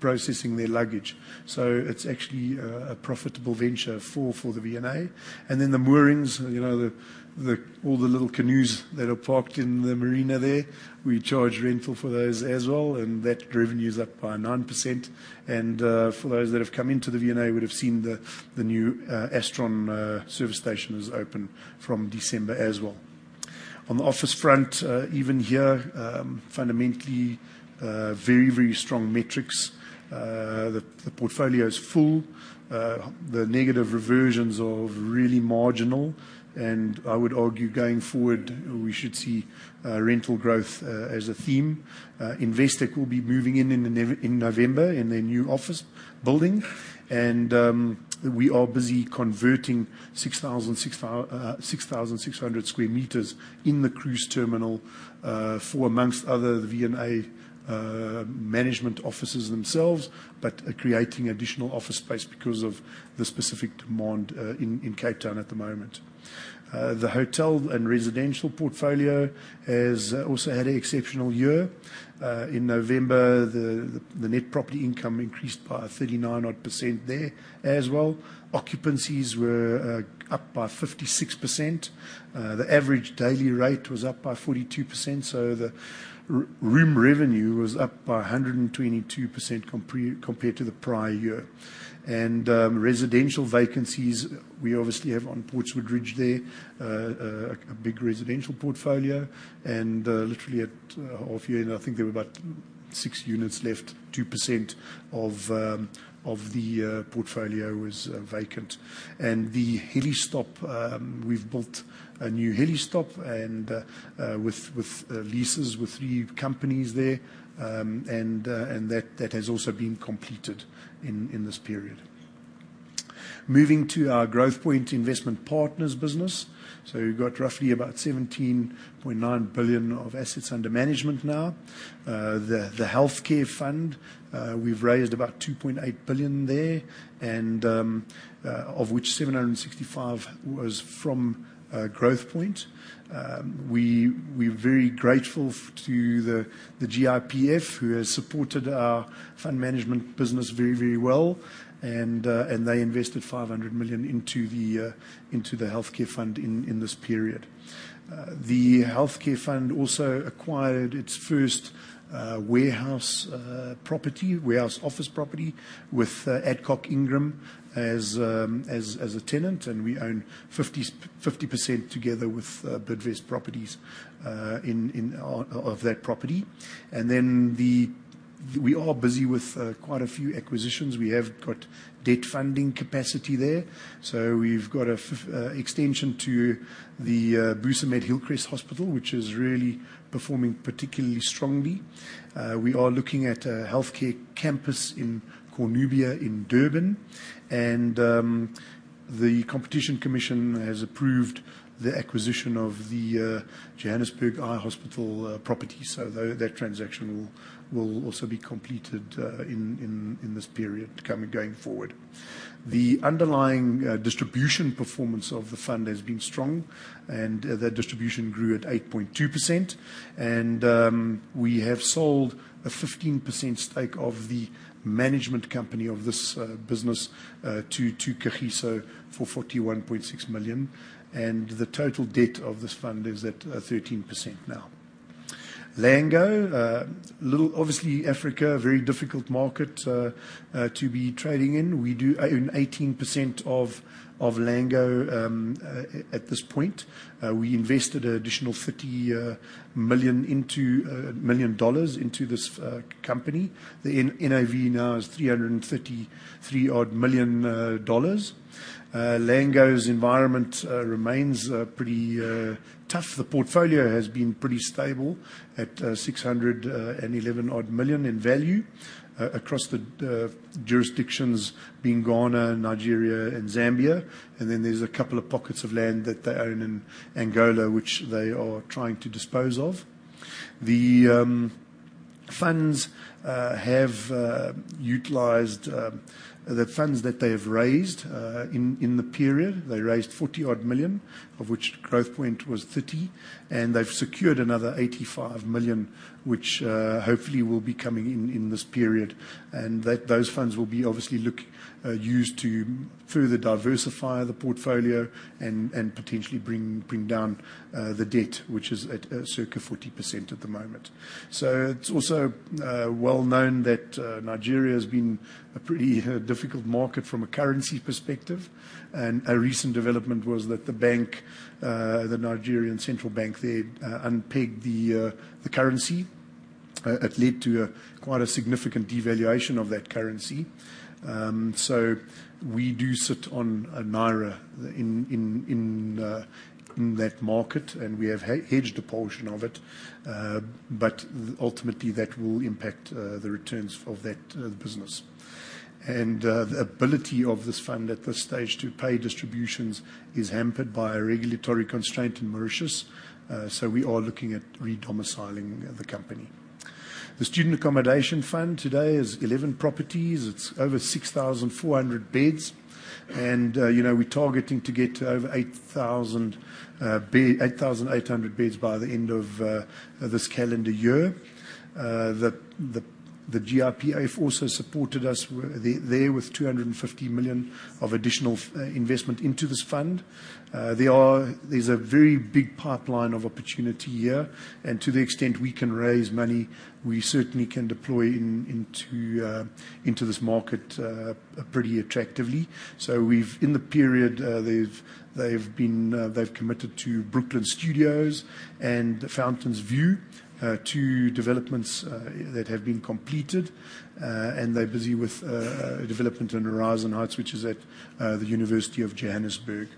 processing their luggage. So it's actually a profitable venture for the V&A. And then the moorings, you know, the all the little canoes that are parked in the marina there, we charge rental for those as well, and that revenue is up by 9%. For those that have come into the V&A would have seen the new Astron service station is open from December as well. On the office front, even here, fundamentally, very, very strong metrics. The portfolio is full. The negative reversions are really marginal, and I would argue, going forward, we should see rental growth as a theme. Investec will be moving in in November, in their new office building. We are busy converting 6,600 sq m in the cruise terminal, for amongst other, the V&A management offices themselves, but creating additional office space because of the specific demand in Cape Town at the moment. The hotel and residential portfolio has also had an exceptional year. In November, the net property income increased by 39 odd percent there as well. Occupancies were up by 56%. The average daily rate was up by 42%, so the room revenue was up by 122% compared to the prior year. Residential vacancies, we obviously have on Portswood Ridge there a big residential portfolio, and literally at half year end, I think there were about six units left, 2% of the portfolio was vacant. The helistop, we've built a new helistop and with leases with three companies there. And that has also been completed in this period. Moving to our Growthpoint Investment Partners business. So we've got roughly about 17.9 billion of assets under management now. The healthcare fund, we've raised about 2.8 billion there, and of which 765 was from Growthpoint. We're very grateful to the GIPF, who has supported our fund management business very, very well, and they invested 500 million into the healthcare fund in this period. The healthcare fund also acquired its first warehouse property, warehouse office property, with Adcock Ingram as a tenant, and we own 50/50 percent, together with Bidvest Properties, of that property. We are busy with quite a few acquisitions. We have got debt funding capacity there, so we've got an extension to the Busamed Hillcrest Hospital, which is really performing particularly strongly. We are looking at a healthcare campus in Cornubia, in Durban. And, the Competition Commission has approved the acquisition of the, Johannesburg Eye Hospital, property. So though, that transaction will also be completed in this period coming, going forward. The underlying distribution performance of the fund has been strong, and that distribution grew at 8.2%. And, we have sold a 15% stake of the management company of this business to Kagiso for 41.6 million, and the total debt of this fund is at 13% now. Lango, little... Obviously, Africa, a very difficult market to be trading in. We do own 18% of Lango at this point. We invested an additional $30 million into this company. The NAV now is $333 odd million. Lango's environment remains pretty tough. The portfolio has been pretty stable at $611 odd million in value across the jurisdictions being Ghana, Nigeria, and Zambia. And then there's a couple of pockets of land that they own in Angola, which they are trying to dispose of. The funds have utilized the funds that they have raised. In the period, they raised $40 odd million, of which Growthpoint was $30, and they've secured another $85 million, which hopefully will be coming in in this period. That, those funds will be obviously used to further diversify the portfolio and potentially bring down the debt, which is at circa 40% at the moment. So it's also well known that Nigeria has been a pretty difficult market from a currency perspective. And a recent development was that the bank, the Nigerian central bank there, unpegged the currency. It led to quite a significant devaluation of that currency. So we do sit on a naira in that market, and we have hedged a portion of it. But ultimately, that will impact the returns of that the business. The ability of this fund at this stage to pay distributions is hampered by a regulatory constraint in Mauritius, so we are looking at re-domiciling the company. The Student Accommodation Fund today is 11 properties. It's over 6,400 beds, and, you know, we're targeting to get to over 8,000 beds, 8,800 beds by the end of this calendar year. The GIPF also supported us there with 250 million of additional investment into this fund. There is a very big pipeline of opportunity here, and to the extent we can raise money, we certainly can deploy into this market pretty attractively. So we've, in the period, they've committed to Brooklyn Studios and Fountains View, two developments that have been completed. And they're busy with a development in Horizon Heights, which is at the University of Johannesburg.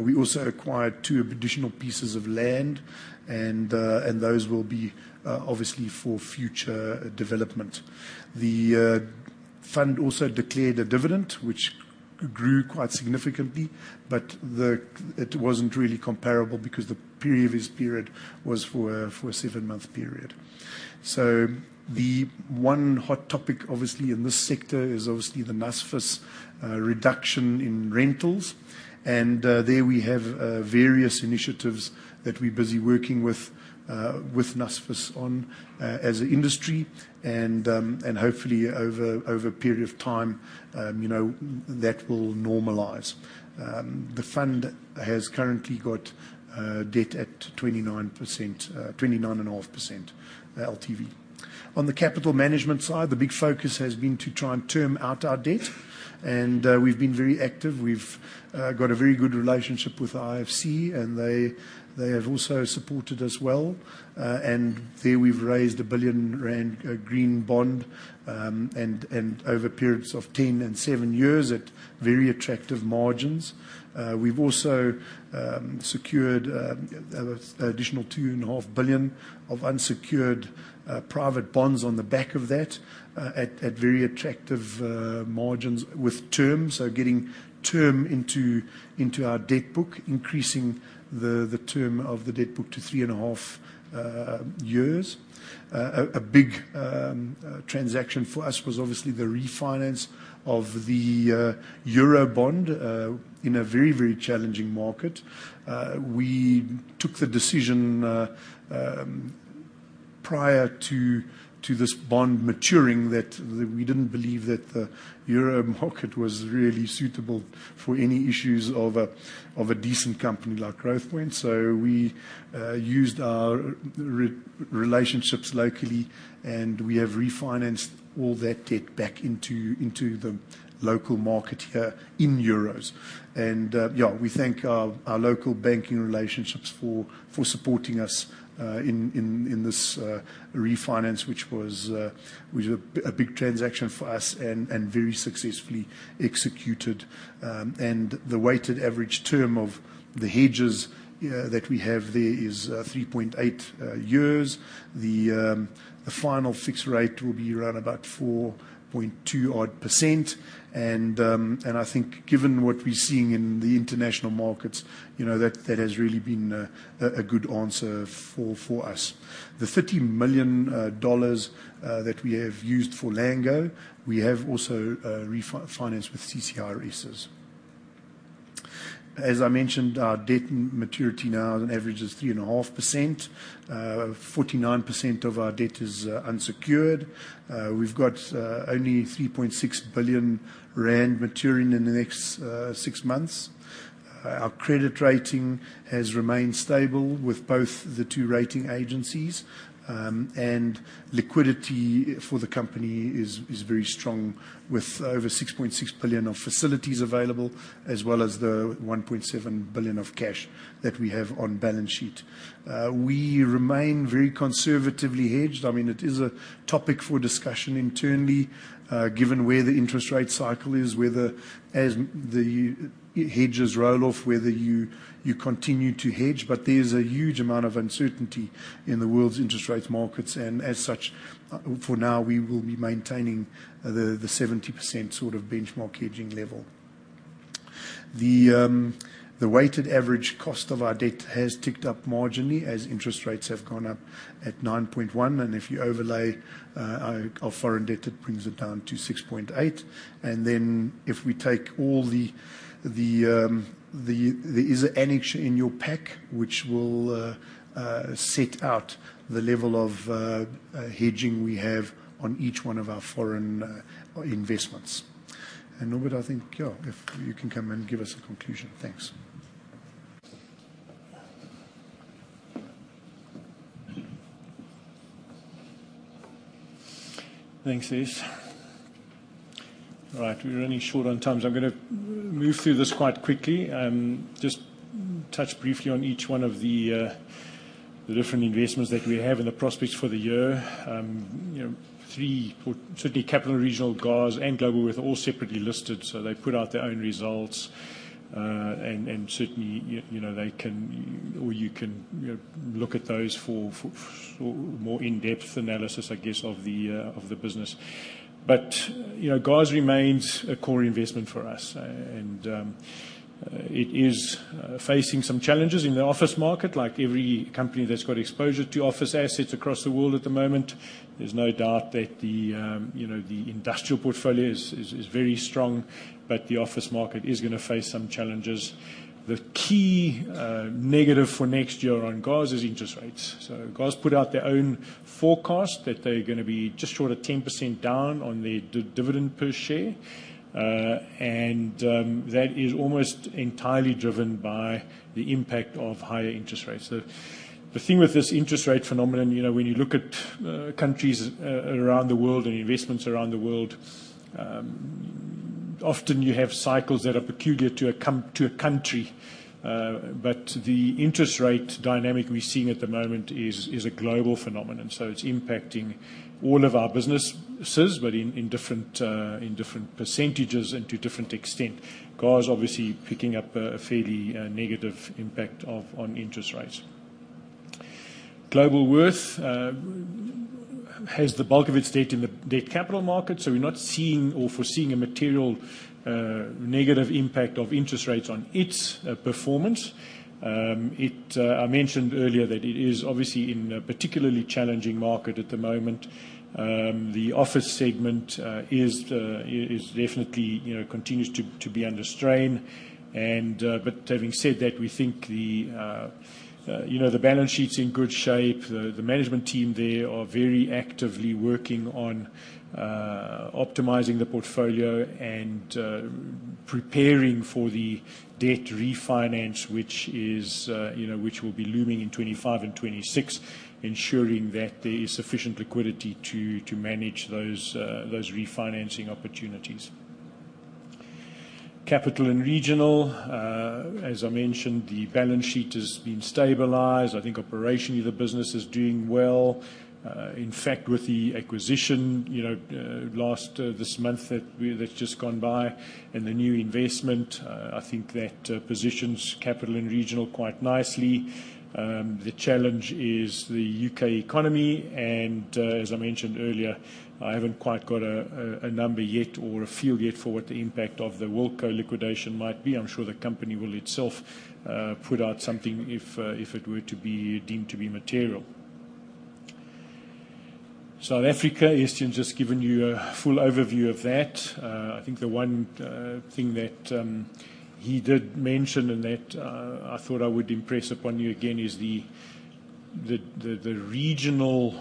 We also acquired two additional pieces of land, and those will be obviously for future development. The fund also declared a dividend, which grew quite significantly, but it wasn't really comparable because the previous period was for a seven-month period. So the one hot topic, obviously, in this sector is obviously the NSFAS reduction in rentals, and there we have various initiatives that we're busy working with NSFAS on as an industry, and hopefully over a period of time, you know, that will normalize. The fund has currently got debt at 29%, 29.5% LTV. On the capital management side, the big focus has been to try and term out our debt, and we've been very active. We've got a very good relationship with IFC, and they have also supported us well. And there, we've raised 1 billion rand green bond, and over periods of 10 and seven years at very attractive margins. We've also secured additional 2.5 billion of unsecured private bonds on the back of that, at very attractive margins with terms, so getting term into our debt book, increasing the term of the debt book to 3.5 years. A big transaction for us was obviously the refinance of the Eurobond in a very, very challenging market. We took the decision prior to this bond maturing, that we didn't believe that the Euro market was really suitable for any issues of a decent company like Growthpoint. So we used our relationships locally, and we have refinanced all that debt back into the local market here in Euros. And yeah, we thank our local banking relationships for supporting us in this refinance, which was a big transaction for us and very successfully executed. And the weighted average term of the hedges that we have there is 3.8 years. The final fixed rate will be around about 4.2% odd. And I think given what we're seeing in the international markets, you know, that has really been a good answer for us. The $30 million that we have used for Lango, we have also refinanced with CCIRS. As I mentioned, our debt maturity now on average is 3.5%, 49% percent of our debt is unsecured. We've got only 3.6 billion rand maturing in the next six months. Our credit rating has remained stable with both the two rating agencies. And liquidity for the company is very strong, with over 6.6 billion of facilities available, as well as the 1.7 billion of cash that we have on balance sheet. We remain very conservatively hedged. I mean, it is a topic for discussion internally, given where the interest rate cycle is, whether as the hedges roll off, whether you continue to hedge, but there's a huge amount of uncertainty in the world's interest rate markets, and as such, for now, we will be maintaining the 70% sort of benchmark hedging level. The weighted average cost of our debt has ticked up marginally as interest rates have gone up at 9.1%, and if you overlay our foreign debt, it brings it down to 6.8%. There is an annex in your pack, which will set out the level of hedging we have on each one of our foreign investments. Norbert, I think, yeah, if you can come and give us a conclusion. Thanks. Thanks, Ess. All right, we're running short on time, so I'm gonna move through this quite quickly. Just touch briefly on each one of the different investments that we have and the prospects for the year. You know, Certainly, Capital & Regional, GOZ, and Globalworth are all separately listed, so they put out their own results. And certainly, you know, they can or you can, you know, look at those for more in-depth analysis, I guess, of the business. But, you know, GOZ remains a core investment for us, and it is facing some challenges in the office market, like every company that's got exposure to office assets across the world at the moment. There's no doubt that the, you know, the industrial portfolio is very strong, but the office market is gonna face some challenges. The key negative for next year on GOZ is interest rates. So GOZ put out their own forecast that they're gonna be just short of 10% down on their dividend per share. And, that is almost entirely driven by the impact of higher interest rates. The thing with this interest rate phenomenon, you know, when you look at countries around the world and investments around the world, often you have cycles that are peculiar to a country. But the interest rate dynamic we're seeing at the moment is a global phenomenon, so it's impacting all of our businesses, but in different percentages and to different extent. C&Rs, obviously, picking up a fairly negative impact on interest rates. Globalworth has the bulk of its debt in the debt capital market, so we're not seeing or foreseeing a material negative impact of interest rates on its performance. I mentioned earlier that it is obviously in a particularly challenging market at the moment. The office segment is definitely, you know, continues to be under strain, but having said that, we think the, you know, the balance sheet's in good shape. The management team there are very actively working on optimizing the portfolio and preparing for the debt refinance, which will be looming in 2025 and 2026, ensuring that there is sufficient liquidity to manage those refinancing opportunities. Capital & Regional, as I mentioned, the balance sheet has been stabilized. I think operationally, the business is doing well. In fact, with the acquisition, you know, last, this month that's just gone by, and the new investment, I think that, positions Capital & Regional quite nicely. The challenge is the U.K. economy, and, as I mentioned earlier, I haven't quite got a number yet or a feel yet for what the impact of the Wilko liquidation might be. I'm sure the company will itself, put out something if, if it were to be deemed to be material. South Africa, Estienne's just given you a full overview of that. I think the one thing that he did mention, and that I thought I would impress upon you again, is the regional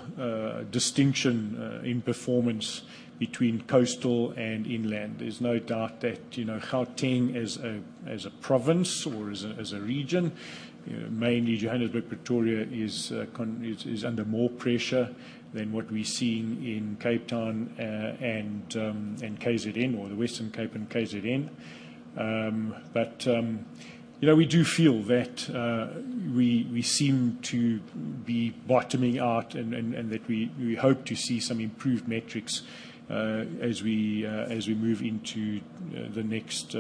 distinction in performance between coastal and inland. There's no doubt that, you know, Gauteng as a province or as a region, mainly Johannesburg, Pretoria, is under more pressure than what we're seeing in Cape Town, and KZN, or the Western Cape and KZN. But you know, we do feel that we seem to be bottoming out and that we hope to see some improved metrics as we move into the next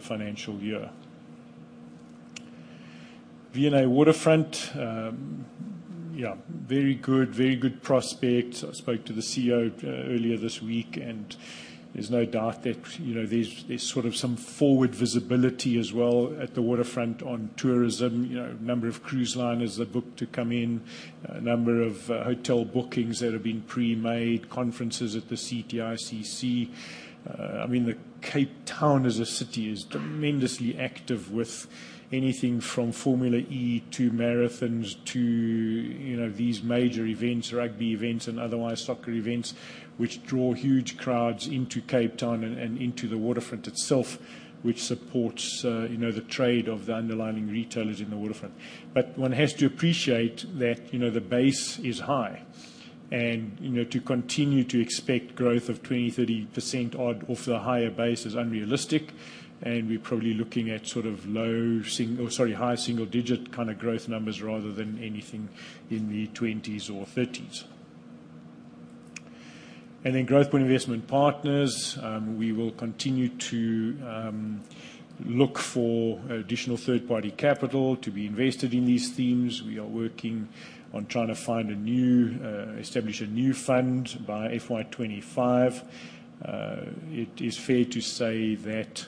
financial year. V&A Waterfront, yeah, very good, very good prospects. I spoke to the CEO earlier this week, and there's no doubt that, you know, there's sort of some forward visibility as well at the waterfront on tourism. You know, a number of cruise liners have booked to come in, a number of hotel bookings that have been pre-made, conferences at the CTICC. I mean, the Cape Town as a city is tremendously active with anything from Formula E to marathons, to, you know, these major events, rugby events and otherwise, soccer events, which draw huge crowds into Cape Town and into the waterfront itself, which supports, you know, the trade of the underlying retailers in the waterfront. But one has to appreciate that, you know, the base is high, and, you know, to continue to expect growth of 20%, 30% or so off the higher base is unrealistic, and we're probably looking at sort of high single digit kinda growth numbers rather than anything in the 20s or 30s. And then Growthpoint Investment Partners, we will continue to look for additional third-party capital to be invested in these themes. We are working on trying to find a new establish a new fund by FY 2025. It is fair to say that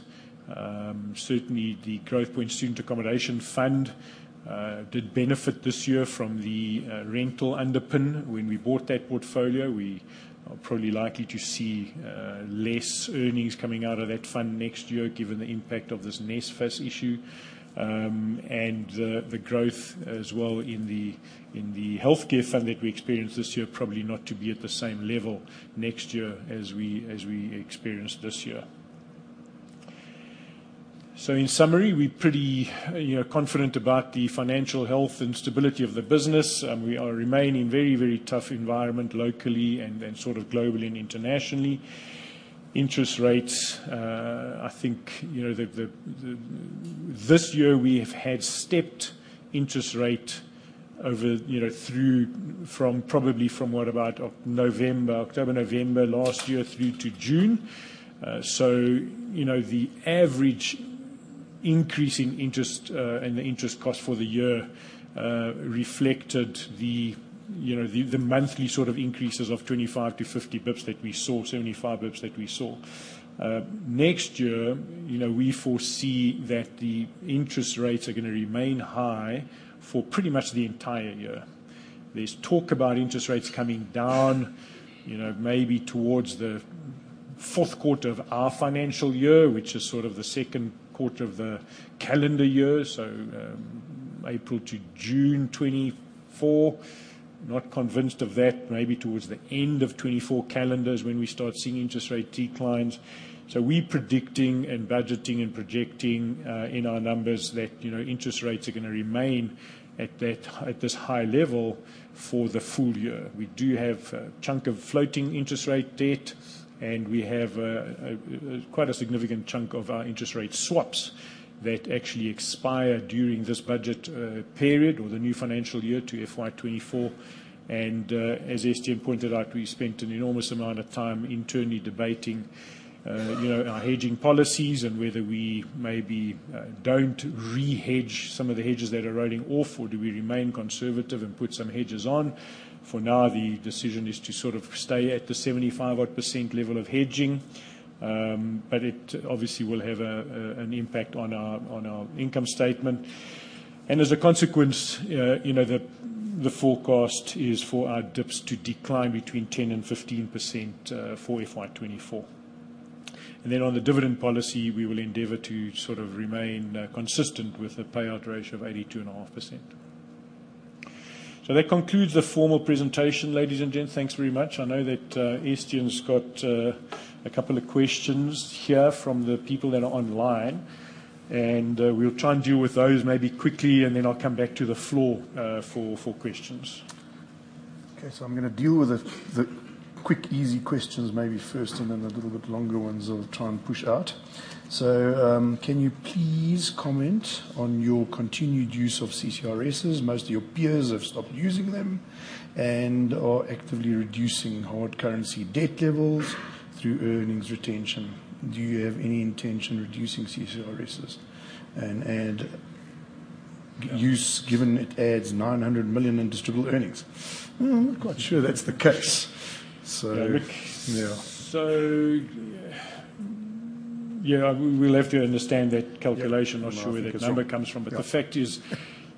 certainly the Growthpoint Student Accommodation Fund did benefit this year from the rental underpin. When we bought that portfolio, we are probably likely to see less earnings coming out of that fund next year, given the impact of this NSFAS issue. And the growth as well in the healthcare fund that we experienced this year, probably not to be at the same level next year as we experienced this year. So in summary, we're pretty, you know, confident about the financial health and stability of the business. We are remaining very, very tough environment locally and sort of globally and internationally. Interest rates, I think, you know. This year, we have had stepped interest rate over, you know, through from probably October, November last year through to June. So, you know, the average increase in interest and the interest cost for the year reflected the, you know, the monthly sort of increases of 25-50 basis points that we saw, 75 basis points that we saw. Next year, you know, we foresee that the interest rates are gonna remain high for pretty much the entire year. There's talk about interest rates coming down, you know, maybe towards the fourth quarter of our financial year, which is sort of the second quarter of the calendar year. So, April to June 2024. Not convinced of that, maybe towards the end of 2024 calendars, when we start seeing interest rate declines. So we predicting and budgeting and projecting, in our numbers that, you know, interest rates are gonna remain at that, at this high level for the full year. We do have a chunk of floating interest rate debt, and we have a, a, quite a significant chunk of our interest rate swaps that actually expire during this budget, period or the new financial year to FY 2024. As Estienne pointed out, we spent an enormous amount of time internally debating, you know, our hedging policies and whether we maybe don't re-hedge some of the hedges that are running off or do we remain conservative and put some hedges on. For now, the decision is to sort of stay at the 75-odd% level of hedging. But it obviously will have an impact on our income statement. And as a consequence, you know, the forecast is for our DIPS to decline between 10%-15%, for FY 2024. And then on the dividend policy, we will endeavor to sort of remain consistent with a payout ratio of 82.5%. So that concludes the formal presentation, ladies and gents. Thanks very much. I know that Estienne's got a couple of questions here from the people that are online, and we'll try and deal with those maybe quickly, and then I'll come back to the floor for questions. Okay, so I'm gonna deal with the quick, easy questions maybe first, and then the little bit longer ones I'll try and push out. So, can you please comment on your continued use of CCIRSs? Most of your peers have stopped using them and are actively reducing hard currency debt levels through earnings retention. Do you have any intention reducing CCIRSs and use, given it adds 900 million in distributable earnings? Hmm, I'm not quite sure that's the case. So- Yeah. Yeah. So, yeah, we'll have to understand that calculation. Yeah. Not sure where that number comes from. Yeah. But the fact is,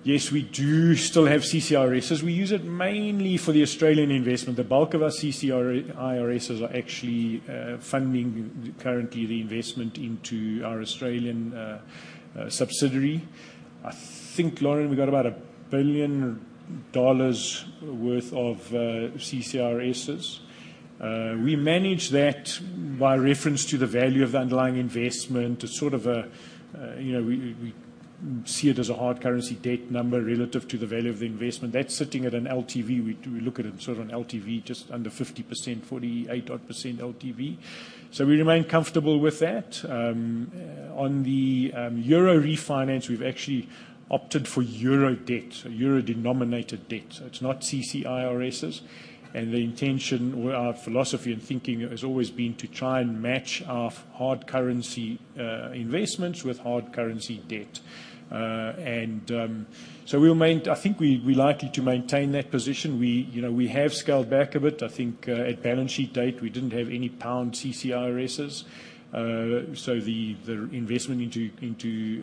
yes, we do still have CCIRSs. We use it mainly for the Australian investment. The bulk of our CCIRSs are actually funding currently the investment into our Australian subsidiary. I think, Lauren, we've got about $1 billion worth of CCIRSs. We manage that by reference to the value of the underlying investment. It's sort of a, you know, we see it as a hard currency debt number relative to the value of the investment. That's sitting at an LTV. We look at it sort of an LTV, just under 50%, 48-odd% LTV. So we remain comfortable with that. On the euro refinance, we've actually opted for euro debt, so euro-denominated debt. So it's not CCIRSs. The intention or our philosophy and thinking has always been to try and match our hard currency investments with hard currency debt. And so we'll maintain—I think we, we're likely to maintain that position. You know, we have scaled back a bit. I think at balance sheet date, we didn't have any pound CCIRS. So the investment into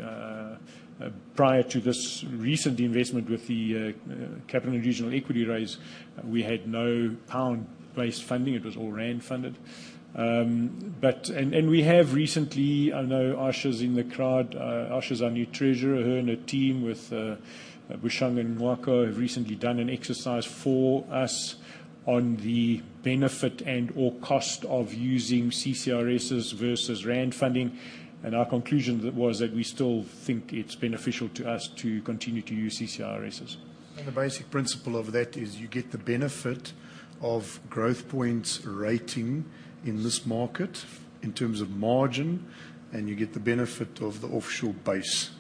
prior to this recent investment with the Capital & Regional equity raise, we had no pound-based funding. It was all rand funded. But we have recently, I know Asha's in the crowd. Asha's our new treasurer. Her and her team, with Bushang and Mwakho, have recently done an exercise for us on the benefit and/or cost of using CCIRS versus rand funding. Our conclusion was that we still think it's beneficial to us to continue to use CCIRS. And the basic principle of that is you get the benefit of Growthpoint's rating in this market in terms of margin, and you get the benefit of the offshore base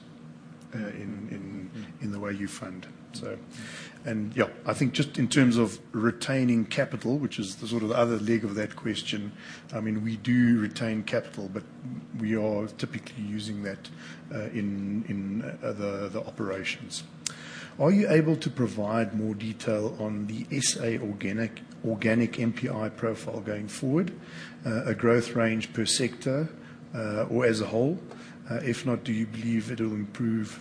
in the way you fund. Yeah. Yeah, I think just in terms of retaining capital, which is the sort of other leg of that question, I mean, we do retain capital, but we are typically using that in the operations. Are you able to provide more detail on the SA organic NPI profile going forward, a growth range per sector, or as a whole? If not, do you believe it'll improve,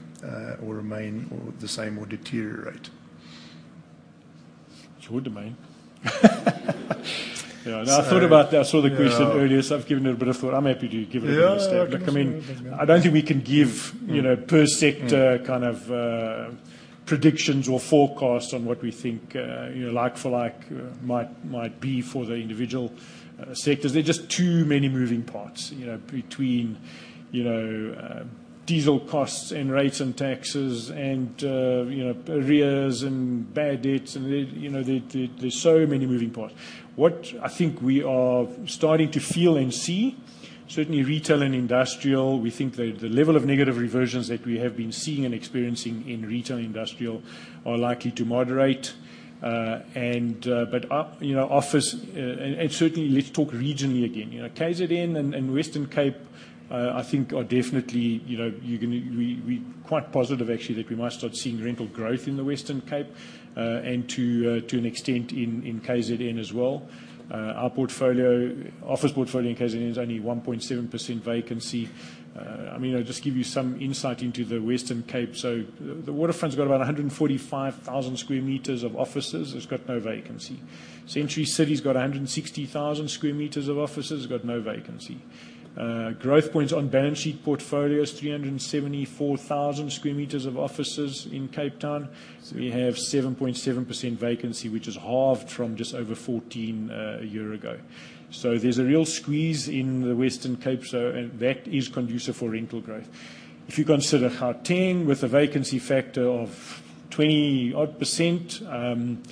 or remain the same, or deteriorate? It's your domain. Yeah. No, I thought about that. Yeah. I saw the question earlier, so I've given it a bit of thought. I'm happy to give it a go- Yeah... I mean, I don't think we can give, you know- Mm... per sector- Mm... kind of predictions or forecasts on what we think, you know, like-for-like might be for the individual sectors. There are just too many moving parts, you know, between, you know, diesel costs and rates and taxes and, you know, arrears and bad debts, and, you know, there's so many moving parts. What I think we are starting to feel and see, certainly retail and industrial, we think that the level of negative reversions that we have been seeing and experiencing in retail and industrial are likely to moderate. And but, you know, office, and certainly, let's talk regionally again. You know, KZN and Western Cape, I think are definitely, you know, you're gonna... We quite positive, actually, that we might start seeing rental growth in the Western Cape, and to an extent in KZN as well. Our portfolio, office portfolio in KZN is only 1.7% vacancy. I mean, I'll just give you some insight into the Western Cape. So the Waterfront's got about 145,000 sq m of offices. It's got no vacancy. Century City's got 160,000 sq m of offices, got no vacancy. Growthpoint's on balance sheet portfolios, 374,000 sq m of offices in Cape Town. We have 7.7% vacancy, which is halved from just over 14% a year ago. So there's a real squeeze in the Western Cape, and that is conducive for rental growth. If you consider Gauteng, with a vacancy factor of 20-odd%,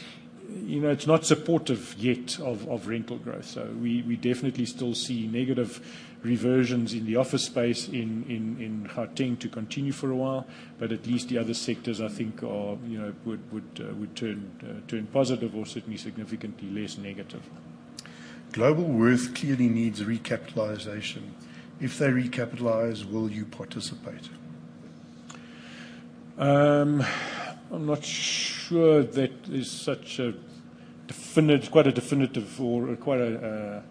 you know, it's not supportive yet of rental growth. So we definitely still see negative reversions in the office space in Gauteng to continue for a while. But at least the other sectors, I think are, you know, would turn positive or certainly significantly less negative. Globalworth clearly needs recapitalization. If they recapitalize, will you participate? I'm not sure that is such a definitive, quite a definitive or quite a,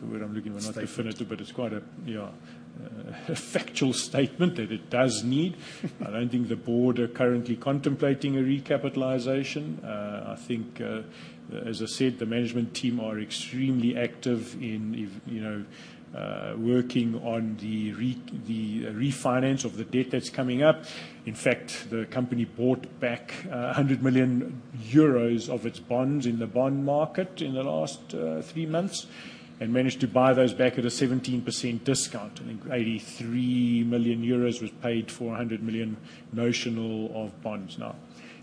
the word I'm looking for- Statement... not definitive, but it's quite a, yeah, a factual statement that it does need. I don't think the board are currently contemplating a recapitalization. I think, as I said, the management team are extremely active in, if, you know, working on the refinance of the debt that's coming up. In fact, the company bought back a 100 million euros of its bonds in the bond market in the last three months, and managed to buy those back at a 17% discount. I think 83 million euros was paid for a 100 million notional of bonds. Now,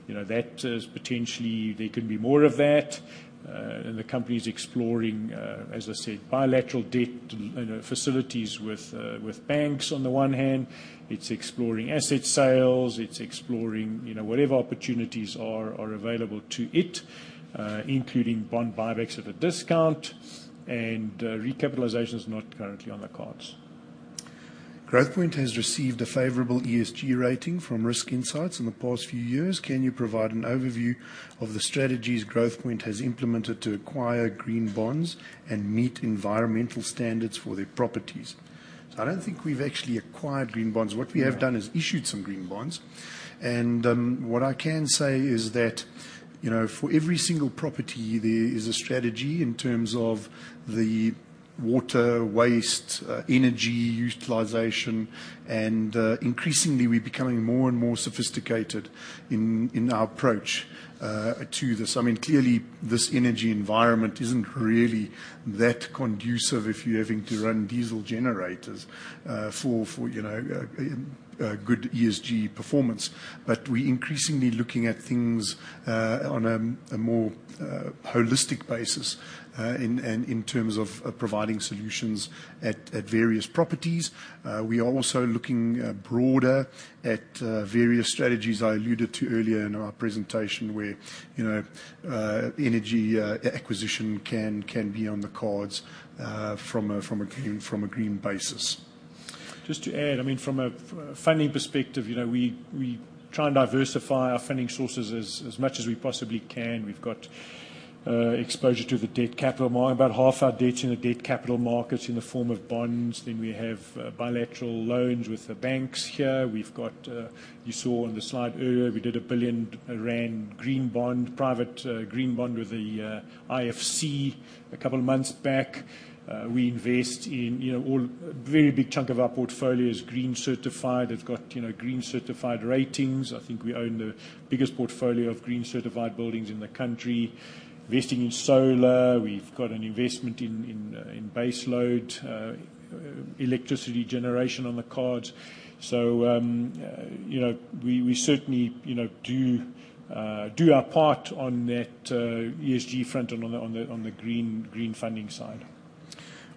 you know, that is potentially, there could be more of that, and the company is exploring, as I said, bilateral debt, you know, facilities with banks, on the one hand. It's exploring asset sales, it's exploring, you know, whatever opportunities are available to it, including bond buybacks at a discount, and recapitalization is not currently on the cards. Growthpoint has received a favorable ESG rating from Risk Insights in the past few years. Can you provide an overview of the strategies Growthpoint has implemented to acquire green bonds and meet environmental standards for their properties? I don't think we've actually acquired green bonds. Yeah. What we have done is issued some green bonds, and what I can say is that, you know, for every single property, there is a strategy in terms of the water, waste, energy utilization. And increasingly, we're becoming more and more sophisticated in our approach to this. I mean, clearly, this energy environment isn't really that conducive if you're having to run diesel generators for you know good ESG performance. But we're increasingly looking at things on a more holistic basis, and in terms of providing solutions at various properties. We are also looking broader at various strategies I alluded to earlier in our presentation, where you know energy acquisition can be on the cards from a green basis. Just to add, I mean, from a funding perspective, you know, we try and diversify our funding sources as much as we possibly can. We've got exposure to the debt capital market. About half our debt is in the debt capital markets in the form of bonds, then we have bilateral loans with the banks here. We've got, you saw on the slide earlier, we did a 1 billion rand green bond, private green bond with the IFC a couple of months back. We invest in, you know, all. A very big chunk of our portfolio is green certified. They've got, you know, green certified ratings. I think we own the biggest portfolio of green certified buildings in the country. Investing in solar. We've got an investment in base load electricity generation on the cards. So, you know, we certainly, you know, do our part on that ESG front and on the green funding side.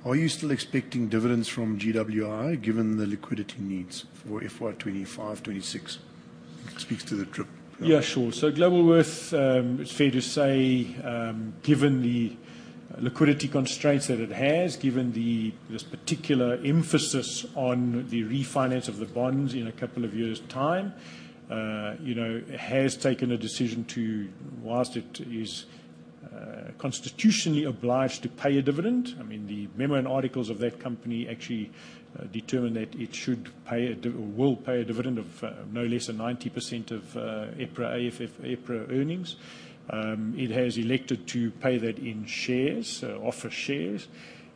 Are you still expecting dividends from GWI, given the liquidity needs for FY 25, 26? Speaks to the trip. Yeah, sure. So Globalworth, it's fair to say, given the liquidity constraints that it has, given this particular emphasis on the refinance of the bonds in a couple of years' time, you know, it has taken a decision to, whilst it is constitutionally obliged to pay a dividend, I mean, the memo and articles of that company actually determine that it should pay—will pay a dividend of no less than 90% of EPRA, AFF, EPRA earnings. It has elected to pay that in shares, offer shares,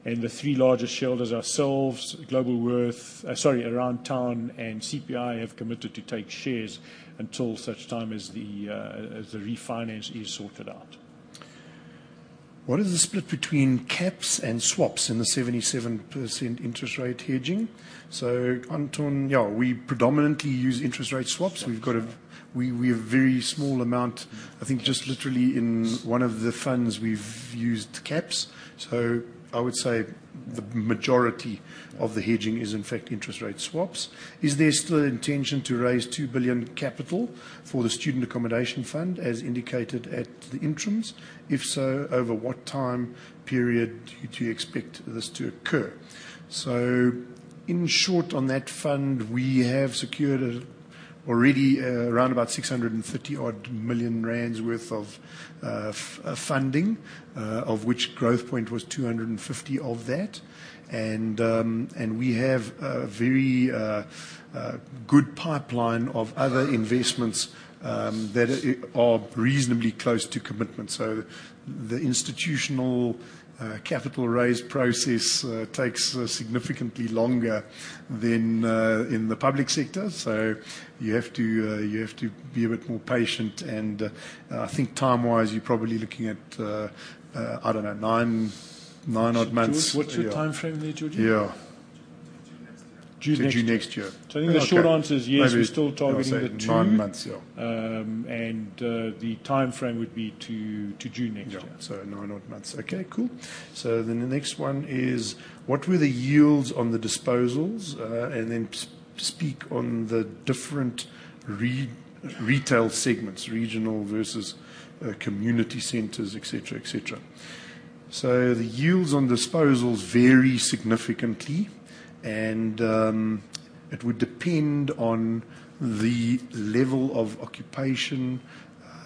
and the three largest shareholders, ourselves, Globalworth, sorry, Aroundtown, and CPI, have committed to take shares until such time as the, as the refinance is sorted out. What is the split between caps and swaps in the 77% interest rate hedging? Anton, yeah, we predominantly use interest rate swaps. Swaps. We have very small amount, I think- Yes... just literally in one of the funds, we've used caps. So I would say the majority of the hedging is, in fact, interest rate swaps. Is there still an intention to raise 2 billion capital for the Student Accommodation Fund, as indicated at the interims? If so, over what time period do you expect this to occur? So in short, on that fund, we have secured already, around about 630 odd million worth of funding, of which Growthpoint was 250 million of that. And, and we have a very, good pipeline of other investments, that are reasonably close to commitment. So the institutional capital raise process takes significantly longer than in the public sector. So you have to be a bit more patient, and, I think time-wise, you're probably looking at, I don't know, nine, nine odd months. What's your timeframe there, George? Yeah... June next year. June next year. I think the short answer is yes, we're still targeting the two- Maybe I would say 9 months, yeah.... and the timeframe would be to June next year. Yeah, so nine odd months. Okay, cool. So then the next one is: What were the yields on the disposals? And then speak on the different retail segments, regional versus community centers, et cetera, et cetera. So the yields on disposals vary significantly, and it would depend on the level of occupation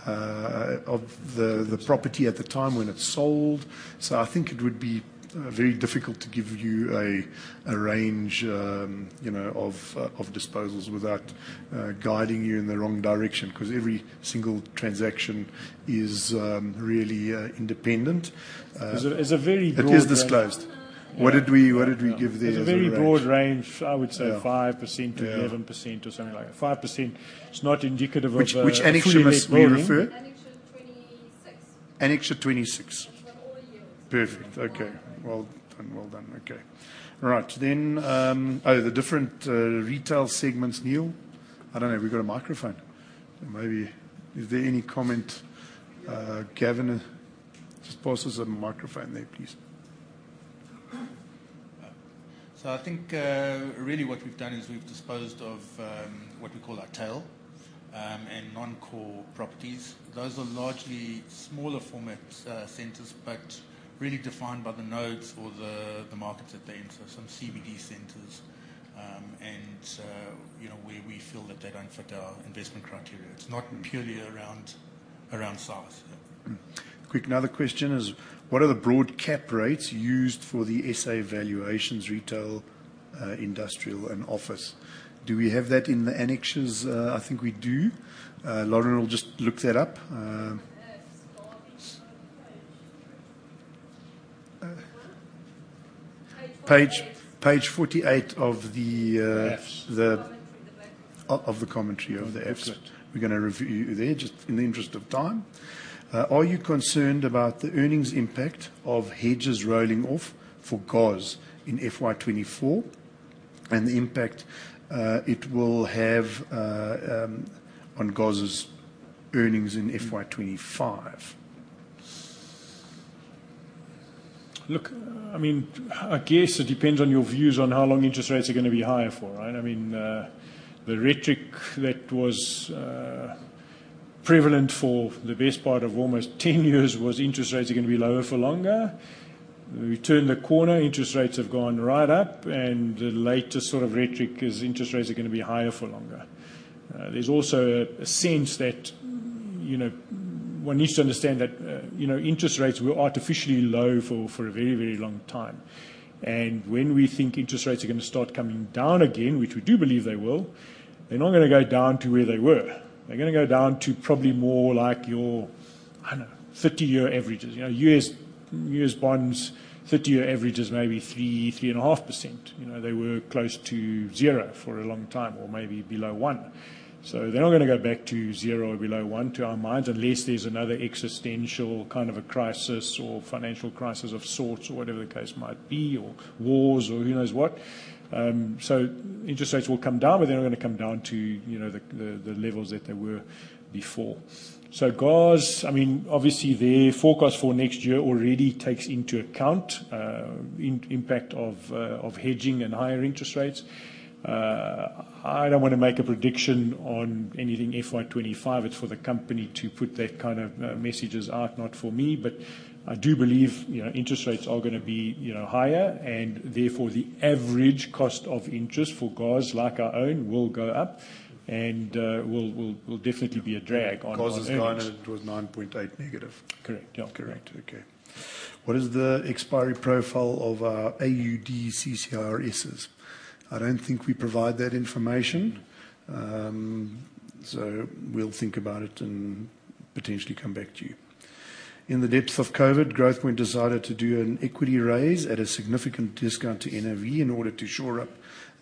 of the property at the time when it's sold. So I think it would be very difficult to give you a range, you know, of disposals without guiding you in the wrong direction, 'cause every single transaction is really independent. As a very broad range- It is disclosed. What did we, what did we give there as a range? As a very broad range, I would say- Yeah... 5%-11% or something like that. 5% is not indicative of a fully let building. Which annex were you referring? Annexure 26. Annexure 26. It's for all yields. Perfect. Okay. Well done, well done. Okay. Right. Then, oh, the different retail segments, Neil? I don't know, have we got a microphone? Maybe... Is there any comment, Gavin? Just pass us a microphone there, please. I think, really what we've done is we've disposed of what we call our tail and non-core properties. Those are largely smaller format centers, but really defined by the nodes or the markets that they enter, some CBD centers. You know, where we feel that they don't fit our investment criteria. It's not purely around size. Quick, another question is: What are the broad cap rates used for the SA valuations, retail, industrial and office? Do we have that in the annexures? I think we do. Lauren will just look that up. Yes, starting on page... Page 48. Page 48 of the Comments in the back of the commentary of the apps. Excellent. We're gonna review there, just in the interest of time. Are you concerned about the earnings impact of hedges rolling off for GOZ in FY 24, and the impact it will have on GOZ's earnings in FY 25? Look, I mean, I guess it depends on your views on how long interest rates are gonna be higher for, right? I mean, the rhetoric that was prevalent for the best part of almost 10 years was interest rates are gonna be lower for longer. We turned the corner, interest rates have gone right up, and the latest sort of rhetoric is interest rates are gonna be higher for longer. There's also a sense that, you know, one needs to understand that, you know, interest rates were artificially low for a very, very long time. And when we think interest rates are gonna start coming down again, which we do believe they will, they're not gonna go down to where they were. They're gonna go down to probably more like your, I don't know, 30-year averages. You know, U.S., U.S. Bonds, 30-year average is maybe 3, 3.5%. You know, they were close to zero for a long time, or maybe below one. So they're not gonna go back to zero or below one, to our minds, unless there's another existential kind of a crisis or financial crisis of sorts or whatever the case might be, or wars or who knows what. So interest rates will come down, but they're not gonna come down to, you know, the, the, the levels that they were before. So GOZ, I mean, obviously, their forecast for next year already takes into account, impact of, of hedging and higher interest rates. I don't wanna make a prediction on anything FY 2025. It's for the company to put that kind of, messages out, not for me. But I do believe, you know, interest rates are gonna be, you know, higher, and therefore, the average cost of interest for GOZ, like our own, will go up and will definitely be a drag on earnings. GOZ's guide was -9.8. Correct. Yeah. Correct. Okay. What is the expiry profile of AUD CCRSs? I don't think we provide that information. So we'll think about it and potentially come back to you. In the depths of COVID, Growthpoint decided to do an equity raise at a significant discount to NAV in order to shore up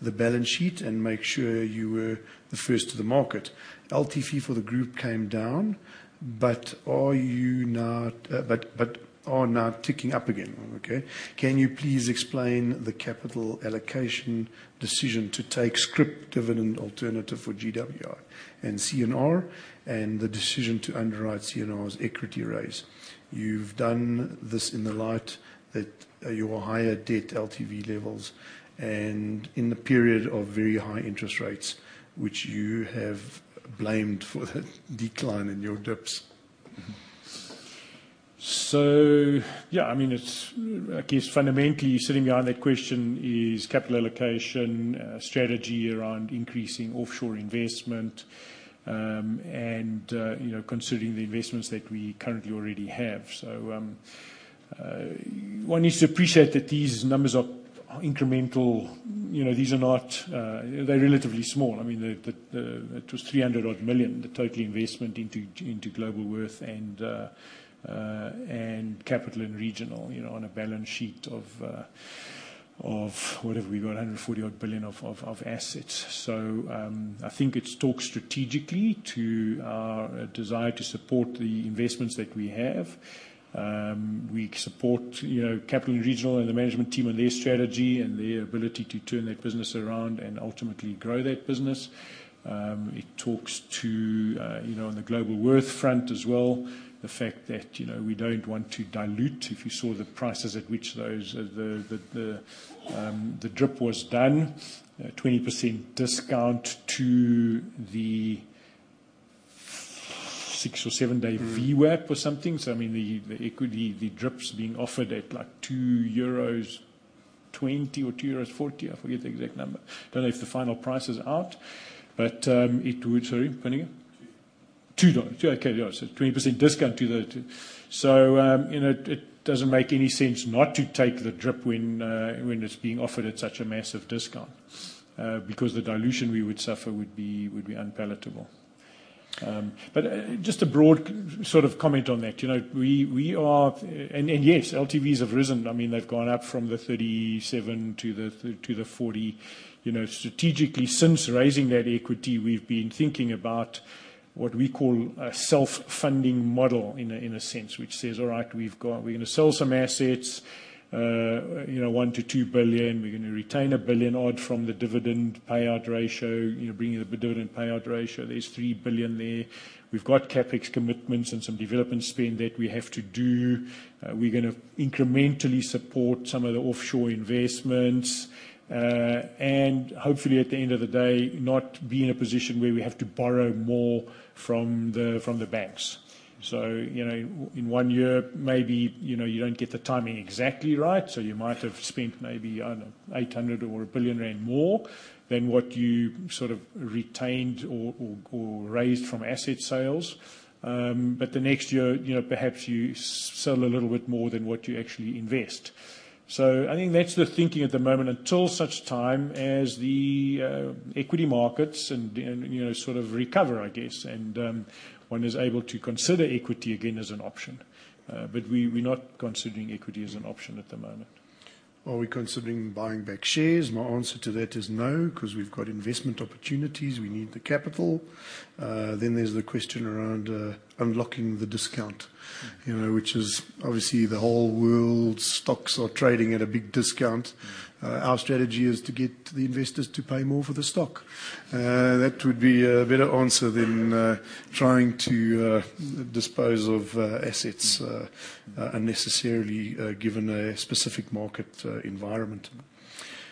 the balance sheet and make sure you were the first to the market. LTV for the group came down, but are you now but, but are now ticking up again. Okay. Can you please explain the capital allocation decision to take scrip dividend alternative for GWI and CNR, and the decision to underwrite CNR's equity raise? You've done this in the light that, your higher debt LTV levels and in the period of very high interest rates, which you have blamed for the decline in your DIPS. So yeah, I mean, it's... I guess fundamentally, sitting behind that question is capital allocation strategy around increasing offshore investment, and you know, considering the investments that we currently already have. So, one needs to appreciate that these numbers are incremental. You know, these are not... They're relatively small. I mean, it was 300-odd million, the total investment into Globalworth and Capital & Regional, you know, on a balance sheet of what have we got, 140-odd billion of assets. So, I think it talks strategically to our desire to support the investments that we have. We support, you know, Capital & Regional and the management team and their strategy, and their ability to turn that business around and ultimately grow that business. It talks to, you know, on the Globalworth front as well, the fact that, you know, we don't want to dilute. If you saw the prices at which those, the, the, the DRIP was done, 20% discount to the six or seven-day VWAP or something. So I mean, the, the equity, the DRIPs being offered at, like, 2.20 euros or 2.40 euros, I forget the exact number. Don't know if the final price is out, but, it would... Sorry, come again. Two. $2. Yeah, okay, yeah, so 20% discount to the $2. So, you know, it, it doesn't make any sense not to take the DRIP when, when it's being offered at such a massive discount, because the dilution we would suffer would be, would be unpalatable. But, just a broad sort of comment on that. You know, we, we are. And, and yes, LTVs have risen. I mean, they've gone up from the 37 to the, to the 40. You know, strategically, since raising that equity, we've been thinking about what we call a self-funding model in a, in a sense, which says, all right, we've got, we're gonna sell some assets, you know, 1 billion-2 billion. We're gonna retain a billion odd from the dividend payout ratio, you know, bringing the dividend payout ratio. There's 3 billion there. We've got CapEx commitments and some development spend that we have to do. We're gonna incrementally support some of the offshore investments, and hopefully, at the end of the day, not be in a position where we have to borrow more from the banks. So, you know, in one year, maybe, you know, you don't get the timing exactly right, so you might have spent maybe, I don't know, 800 million or 1 billion rand more than what you sort of retained or raised from asset sales. But the next year, you know, perhaps you sell a little bit more than what you actually invest. So I think that's the thinking at the moment, until such time as the equity markets and, you know, sort of recover, I guess, and one is able to consider equity again as an option. But we're not considering equity as an option at the moment. Are we considering buying back shares? My answer to that is no, 'cause we've got investment opportunities, we need the capital. Then there's the question around unlocking the discount, you know, which is obviously the whole world's stocks are trading at a big discount. Our strategy is to get the investors to pay more for the stock. That would be a better answer than trying to dispose of assets unnecessarily, given a specific market environment.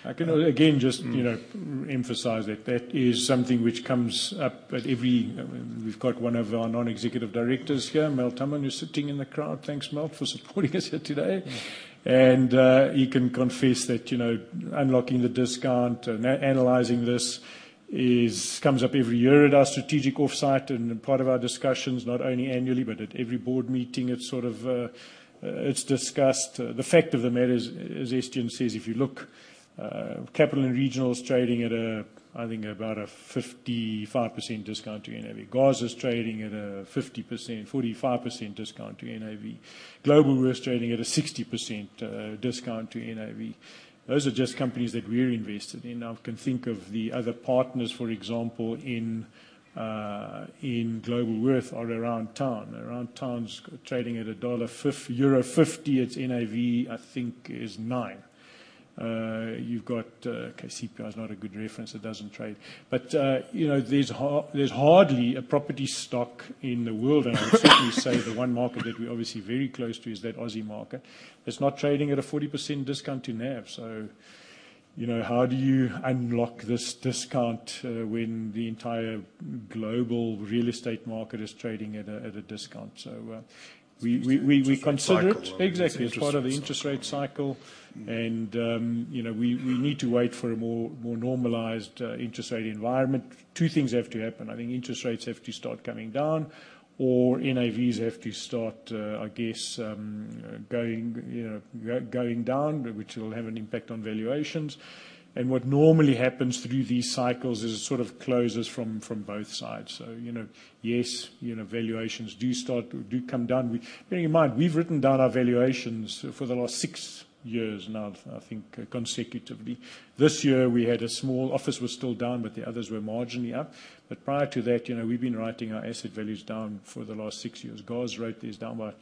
I can, again, just, you know, emphasize that that is something which comes up at every... We've got one of our non-executive directors here, Melt Hamman, who's sitting in the crowd. Thanks, Mel, for supporting us here today. He can confess that, you know, unlocking the discount and analyzing this comes up every year at our strategic offsite, and part of our discussions, not only annually, but at every board meeting, it's sort of discussed. The fact of the matter is, as Estienne says, if you look, Capital & Regional's trading at a, I think about a 55% discount to NAV. GOZ is trading at a 50%, 45% discount to NAV. Globalworth's trading at a 60% discount to NAV. Those are just companies that we're invested in. I can think of the other partners, for example, in Globalworth or Aroundtown. Aroundtown's trading at EUR 0.50, its NAV, I think, is 9. You've got, okay, CPI is not a good reference, it doesn't trade. But, you know, there's hardly a property stock in the world, and I would certainly say the one market that we're obviously very close to is that Aussie market. It's not trading at a 40% discount to NAV. So, you know, how do you unlock this discount, when the entire global real estate market is trading at a discount? So, we consider it. Exactly. It's part of the interest rate cycle. You know, we need to wait for a more normalized interest rate environment. Two things have to happen. I think interest rates have to start coming down, or NAVs have to start, I guess, going, you know, going down, which will have an impact on valuations. And what normally happens through these cycles is it sort of closes from both sides. So, you know, yes, you know, valuations do start to do come down. Bearing in mind, we've written down our valuations for the last six years now, I think, consecutively. This year, we had a small office was still down, but the others were marginally up. But prior to that, you know, we've been writing our asset values down for the last six years. GOZ wrote these down by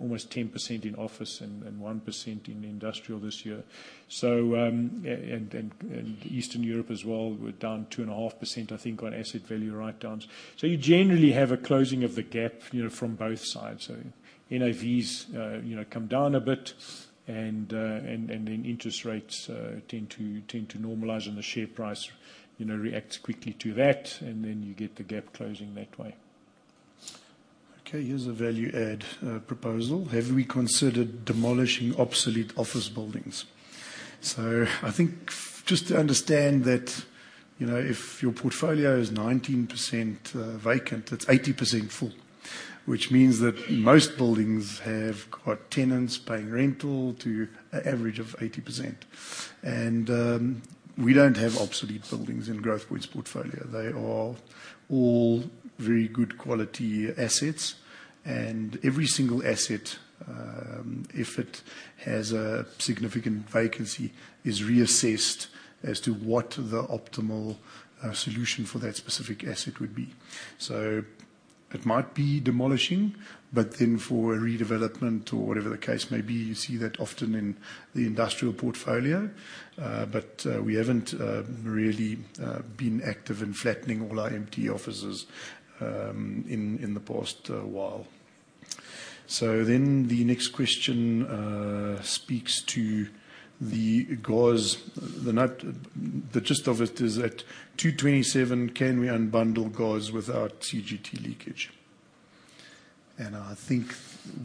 almost 10% in office and 1% in industrial this year. So, and Eastern Europe as well, we're down 2.5%, I think, on asset value write-downs. So you generally have a closing of the gap, you know, from both sides. So NAVs, you know, come down a bit, and then interest rates tend to normalize, and the share price, you know, reacts quickly to that, and then you get the gap closing that way. Okay, here's a value add proposal. Have we considered demolishing obsolete office buildings? So I think just to understand that, you know, if your portfolio is 19% vacant, it's 80% full, which means that most buildings have got tenants paying rental to an average of 80%. And we don't have obsolete buildings in Growthpoint's portfolio. They are all very good quality assets, and every single asset if it has a significant vacancy, is reassessed as to what the optimal solution for that specific asset would be. So it might be demolishing, but then for a redevelopment or whatever the case may be, you see that often in the industrial portfolio. But we haven't really been active in flattening all our empty offices in the past a while. So then the next question speaks to the GOZ. The gist of it is that, 227, can we unbundle GOZ without CGT leakage? And I think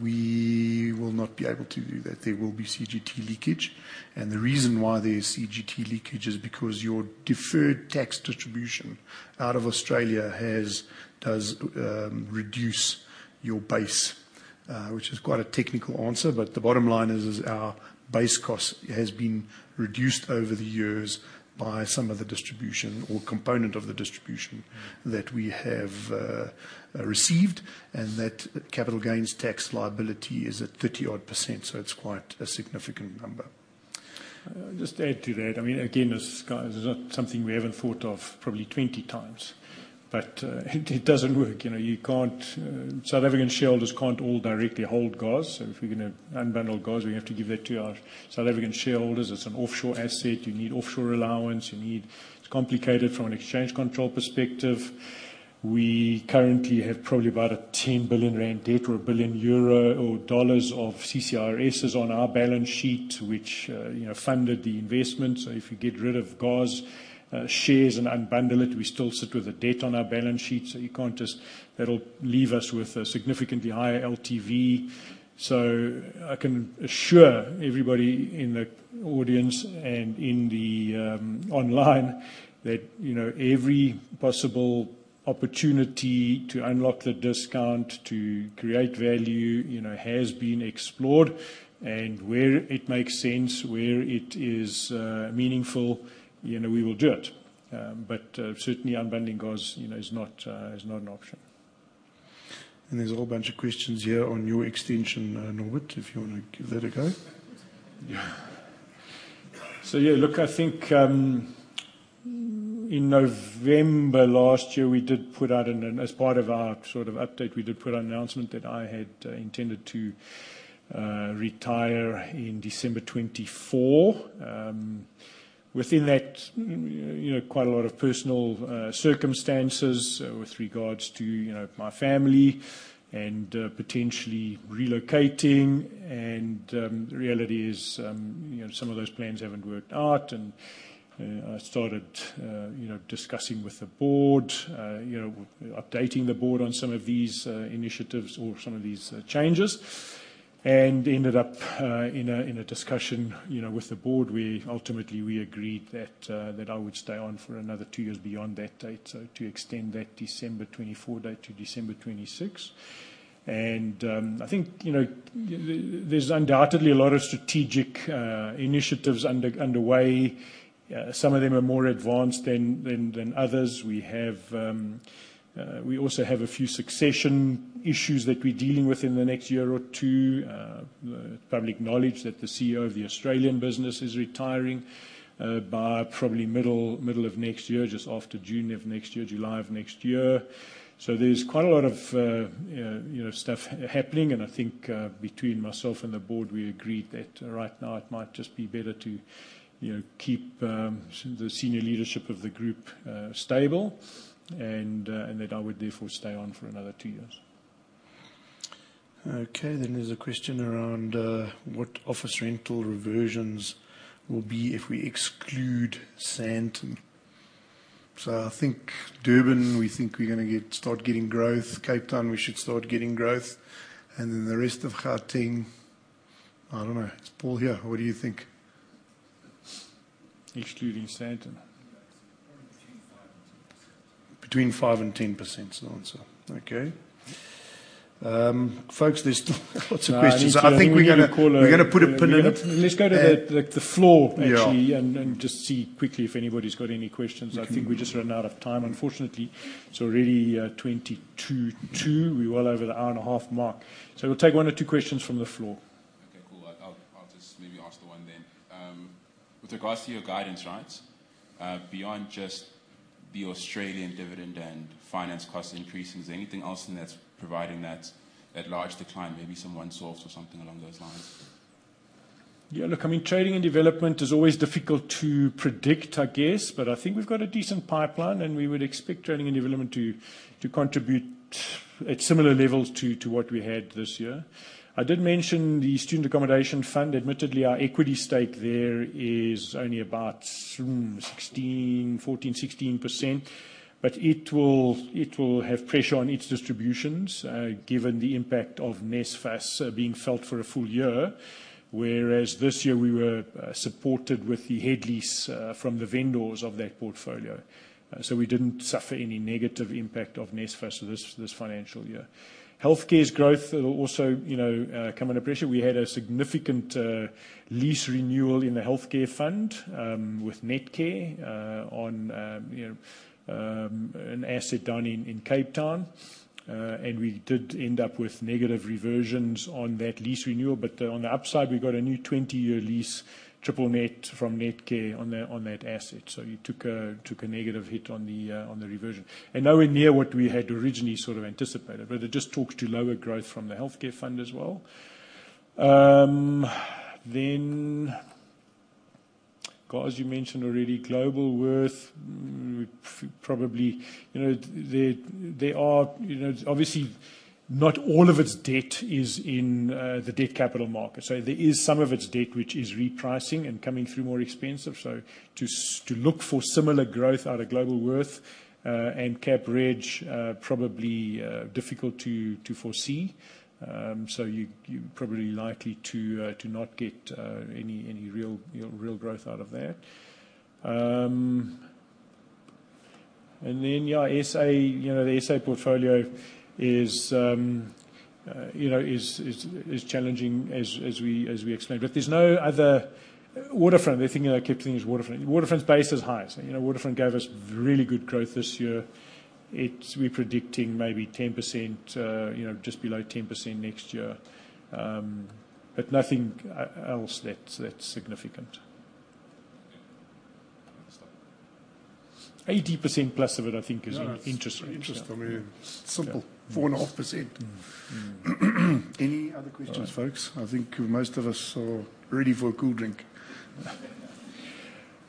we will not be able to do that. There will be CGT leakage, and the reason why there is CGT leakage is because your deferred tax distribution out of Australia has, does, reduce your base. Which is quite a technical answer, but the bottom line is, our base cost has been reduced over the years by some of the distribution or component of the distribution that we have received, and that capital gains tax liability is at 30-odd%, so it's quite a significant number. Just to add to that, I mean, again, this, this is not something we haven't thought of probably 20x, but, it, it doesn't work. You know, you can't... South African shareholders can't all directly hold GOZ, so if we're gonna unbundle GOZ, we have to give that to our South African shareholders. It's an offshore asset. You need offshore allowance, you need... It's complicated from an exchange control perspective. We currently have probably about a 10 billion rand debt or 1 billion euro or USD 1 billion of CCIRSs on our balance sheet, which, you know, funded the investment. So if you get rid of GOZ, shares and unbundle it, we still sit with a debt on our balance sheet, so you can't just-- That'll leave us with a significantly higher LTV. So I can assure everybody in the audience and in the online that, you know, every possible opportunity to unlock the discount, to create value, you know, has been explored, and where it makes sense, where it is meaningful, you know, we will do it. But certainly unbundling GOZ, you know, is not an option. And there's a whole bunch of questions here on your extension, Norbert, if you wanna give that a go. Yeah. So yeah, look, I think, in November last year, we did put out, and then as part of our sort of update, we did put out an announcement that I had intended to retire in December 2024. Within that, you know, quite a lot of personal circumstances with regards to, you know, my family and potentially relocating. And the reality is, you know, some of those plans haven't worked out, and I started, you know, discussing with the board, you know, updating the board on some of these initiatives or some of these changes. And ended up in a discussion, you know, with the board, we ultimately we agreed that that I would stay on for another two years beyond that date. So to extend that December 2024 date to December 2026. And, I think, you know, there's undoubtedly a lot of strategic initiatives underway. Some of them are more advanced than others. We have, we also have a few succession issues that we're dealing with in the next year or two. Public knowledge that the CEO of the Australian business is retiring, by probably middle of next year, just after June of next year, July of next year. So there's quite a lot of, you know, stuff happening, and I think, between myself and the board, we agreed that right now it might just be better to, you know, keep the senior leadership of the group stable, and that I would therefore stay on for another two years. Okay, then there's a question around what office rental reversions will be if we exclude Sandton. So I think Durban, we think we're gonna get, start getting growth. Cape Town, we should start getting growth. And then the rest of Gauteng, I don't know. Is Paul here? What do you think? Excluding Sandton. Between 5% and 10%. Between 5% and 10% is the answer. Okay. Folks, there's lots of questions. I think we're gonna call. I think we're gonna put a pin in it. Let's go to the floor, actually- Yeah... and just see quickly if anybody's got any questions. Mm-hmm. I think we just ran out of time, unfortunately. It's already 10:02 P.M. We're well over the 1.5-hour mark. We'll take one or two questions from the floor. Okay, cool. I'll just maybe ask the one then. With regards to your guidance, right, beyond just the Australian dividend and finance cost increase, is there anything else in that's providing that large decline? Maybe some one source or something along those lines? Yeah, look, I mean, trading and development is always difficult to predict, I guess, but I think we've got a decent pipeline, and we would expect trading and development to contribute at similar levels to what we had this year. I did mention the Student Accommodation Fund. Admittedly, our equity stake there is only about 16, 14, 16%, but it will have pressure on its distributions, given the impact of NSFAS being felt for a full year, whereas this year we were supported with the head lease from the vendors of that portfolio. So we didn't suffer any negative impact of NSFAS this financial year. Healthcare's growth, it'll also, you know, come under pressure. We had a significant lease renewal in the healthcare fund with Netcare on, you know, an asset down in Cape Town, and we did end up with negative reversions on that lease renewal. But on the upside, we got a new 20-year lease, triple net from Netcare on that asset. So you took a negative hit on the reversion. And nowhere near what we had originally sort of anticipated, but it just talks to lower growth from the healthcare fund as well. Then, guys, you mentioned already Globalworth, probably, you know, the, there are, you know, obviously, not all of its debt is in the debt capital market. So there is some of its debt, which is repricing and coming through more expensive. So to look for similar growth out of Globalworth, and CapReg, probably difficult to foresee. So you probably likely to not get any real growth out of that. And then, yeah, SA, you know, the SA portfolio is, you know, is challenging as we explained. But there's no other... Waterfront, the thing, the key thing is Waterfront. Waterfront's base is high. So, you know, Waterfront gave us really good growth this year. It's... We're predicting maybe 10%, you know, just below 10% next year. But nothing else that's significant. 80%+ of it, I think, is in interest. Yeah, interest only. Simple. Yeah. 4.5%. Any other questions, folks? I think most of us are ready for a cool drink.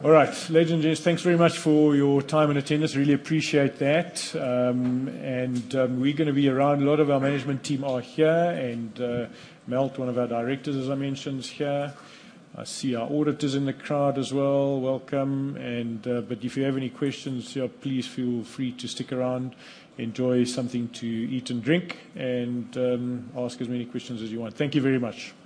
All right. Ladies and gents, thanks very much for your time and attendance. Really appreciate that. And we're gonna be around. A lot of our management team are here, and Mel, one of our directors, as I mentioned, is here. I see our auditors in the crowd as well. Welcome. But if you have any questions, yeah, please feel free to stick around, enjoy something to eat and drink, and ask as many questions as you want. Thank you very much.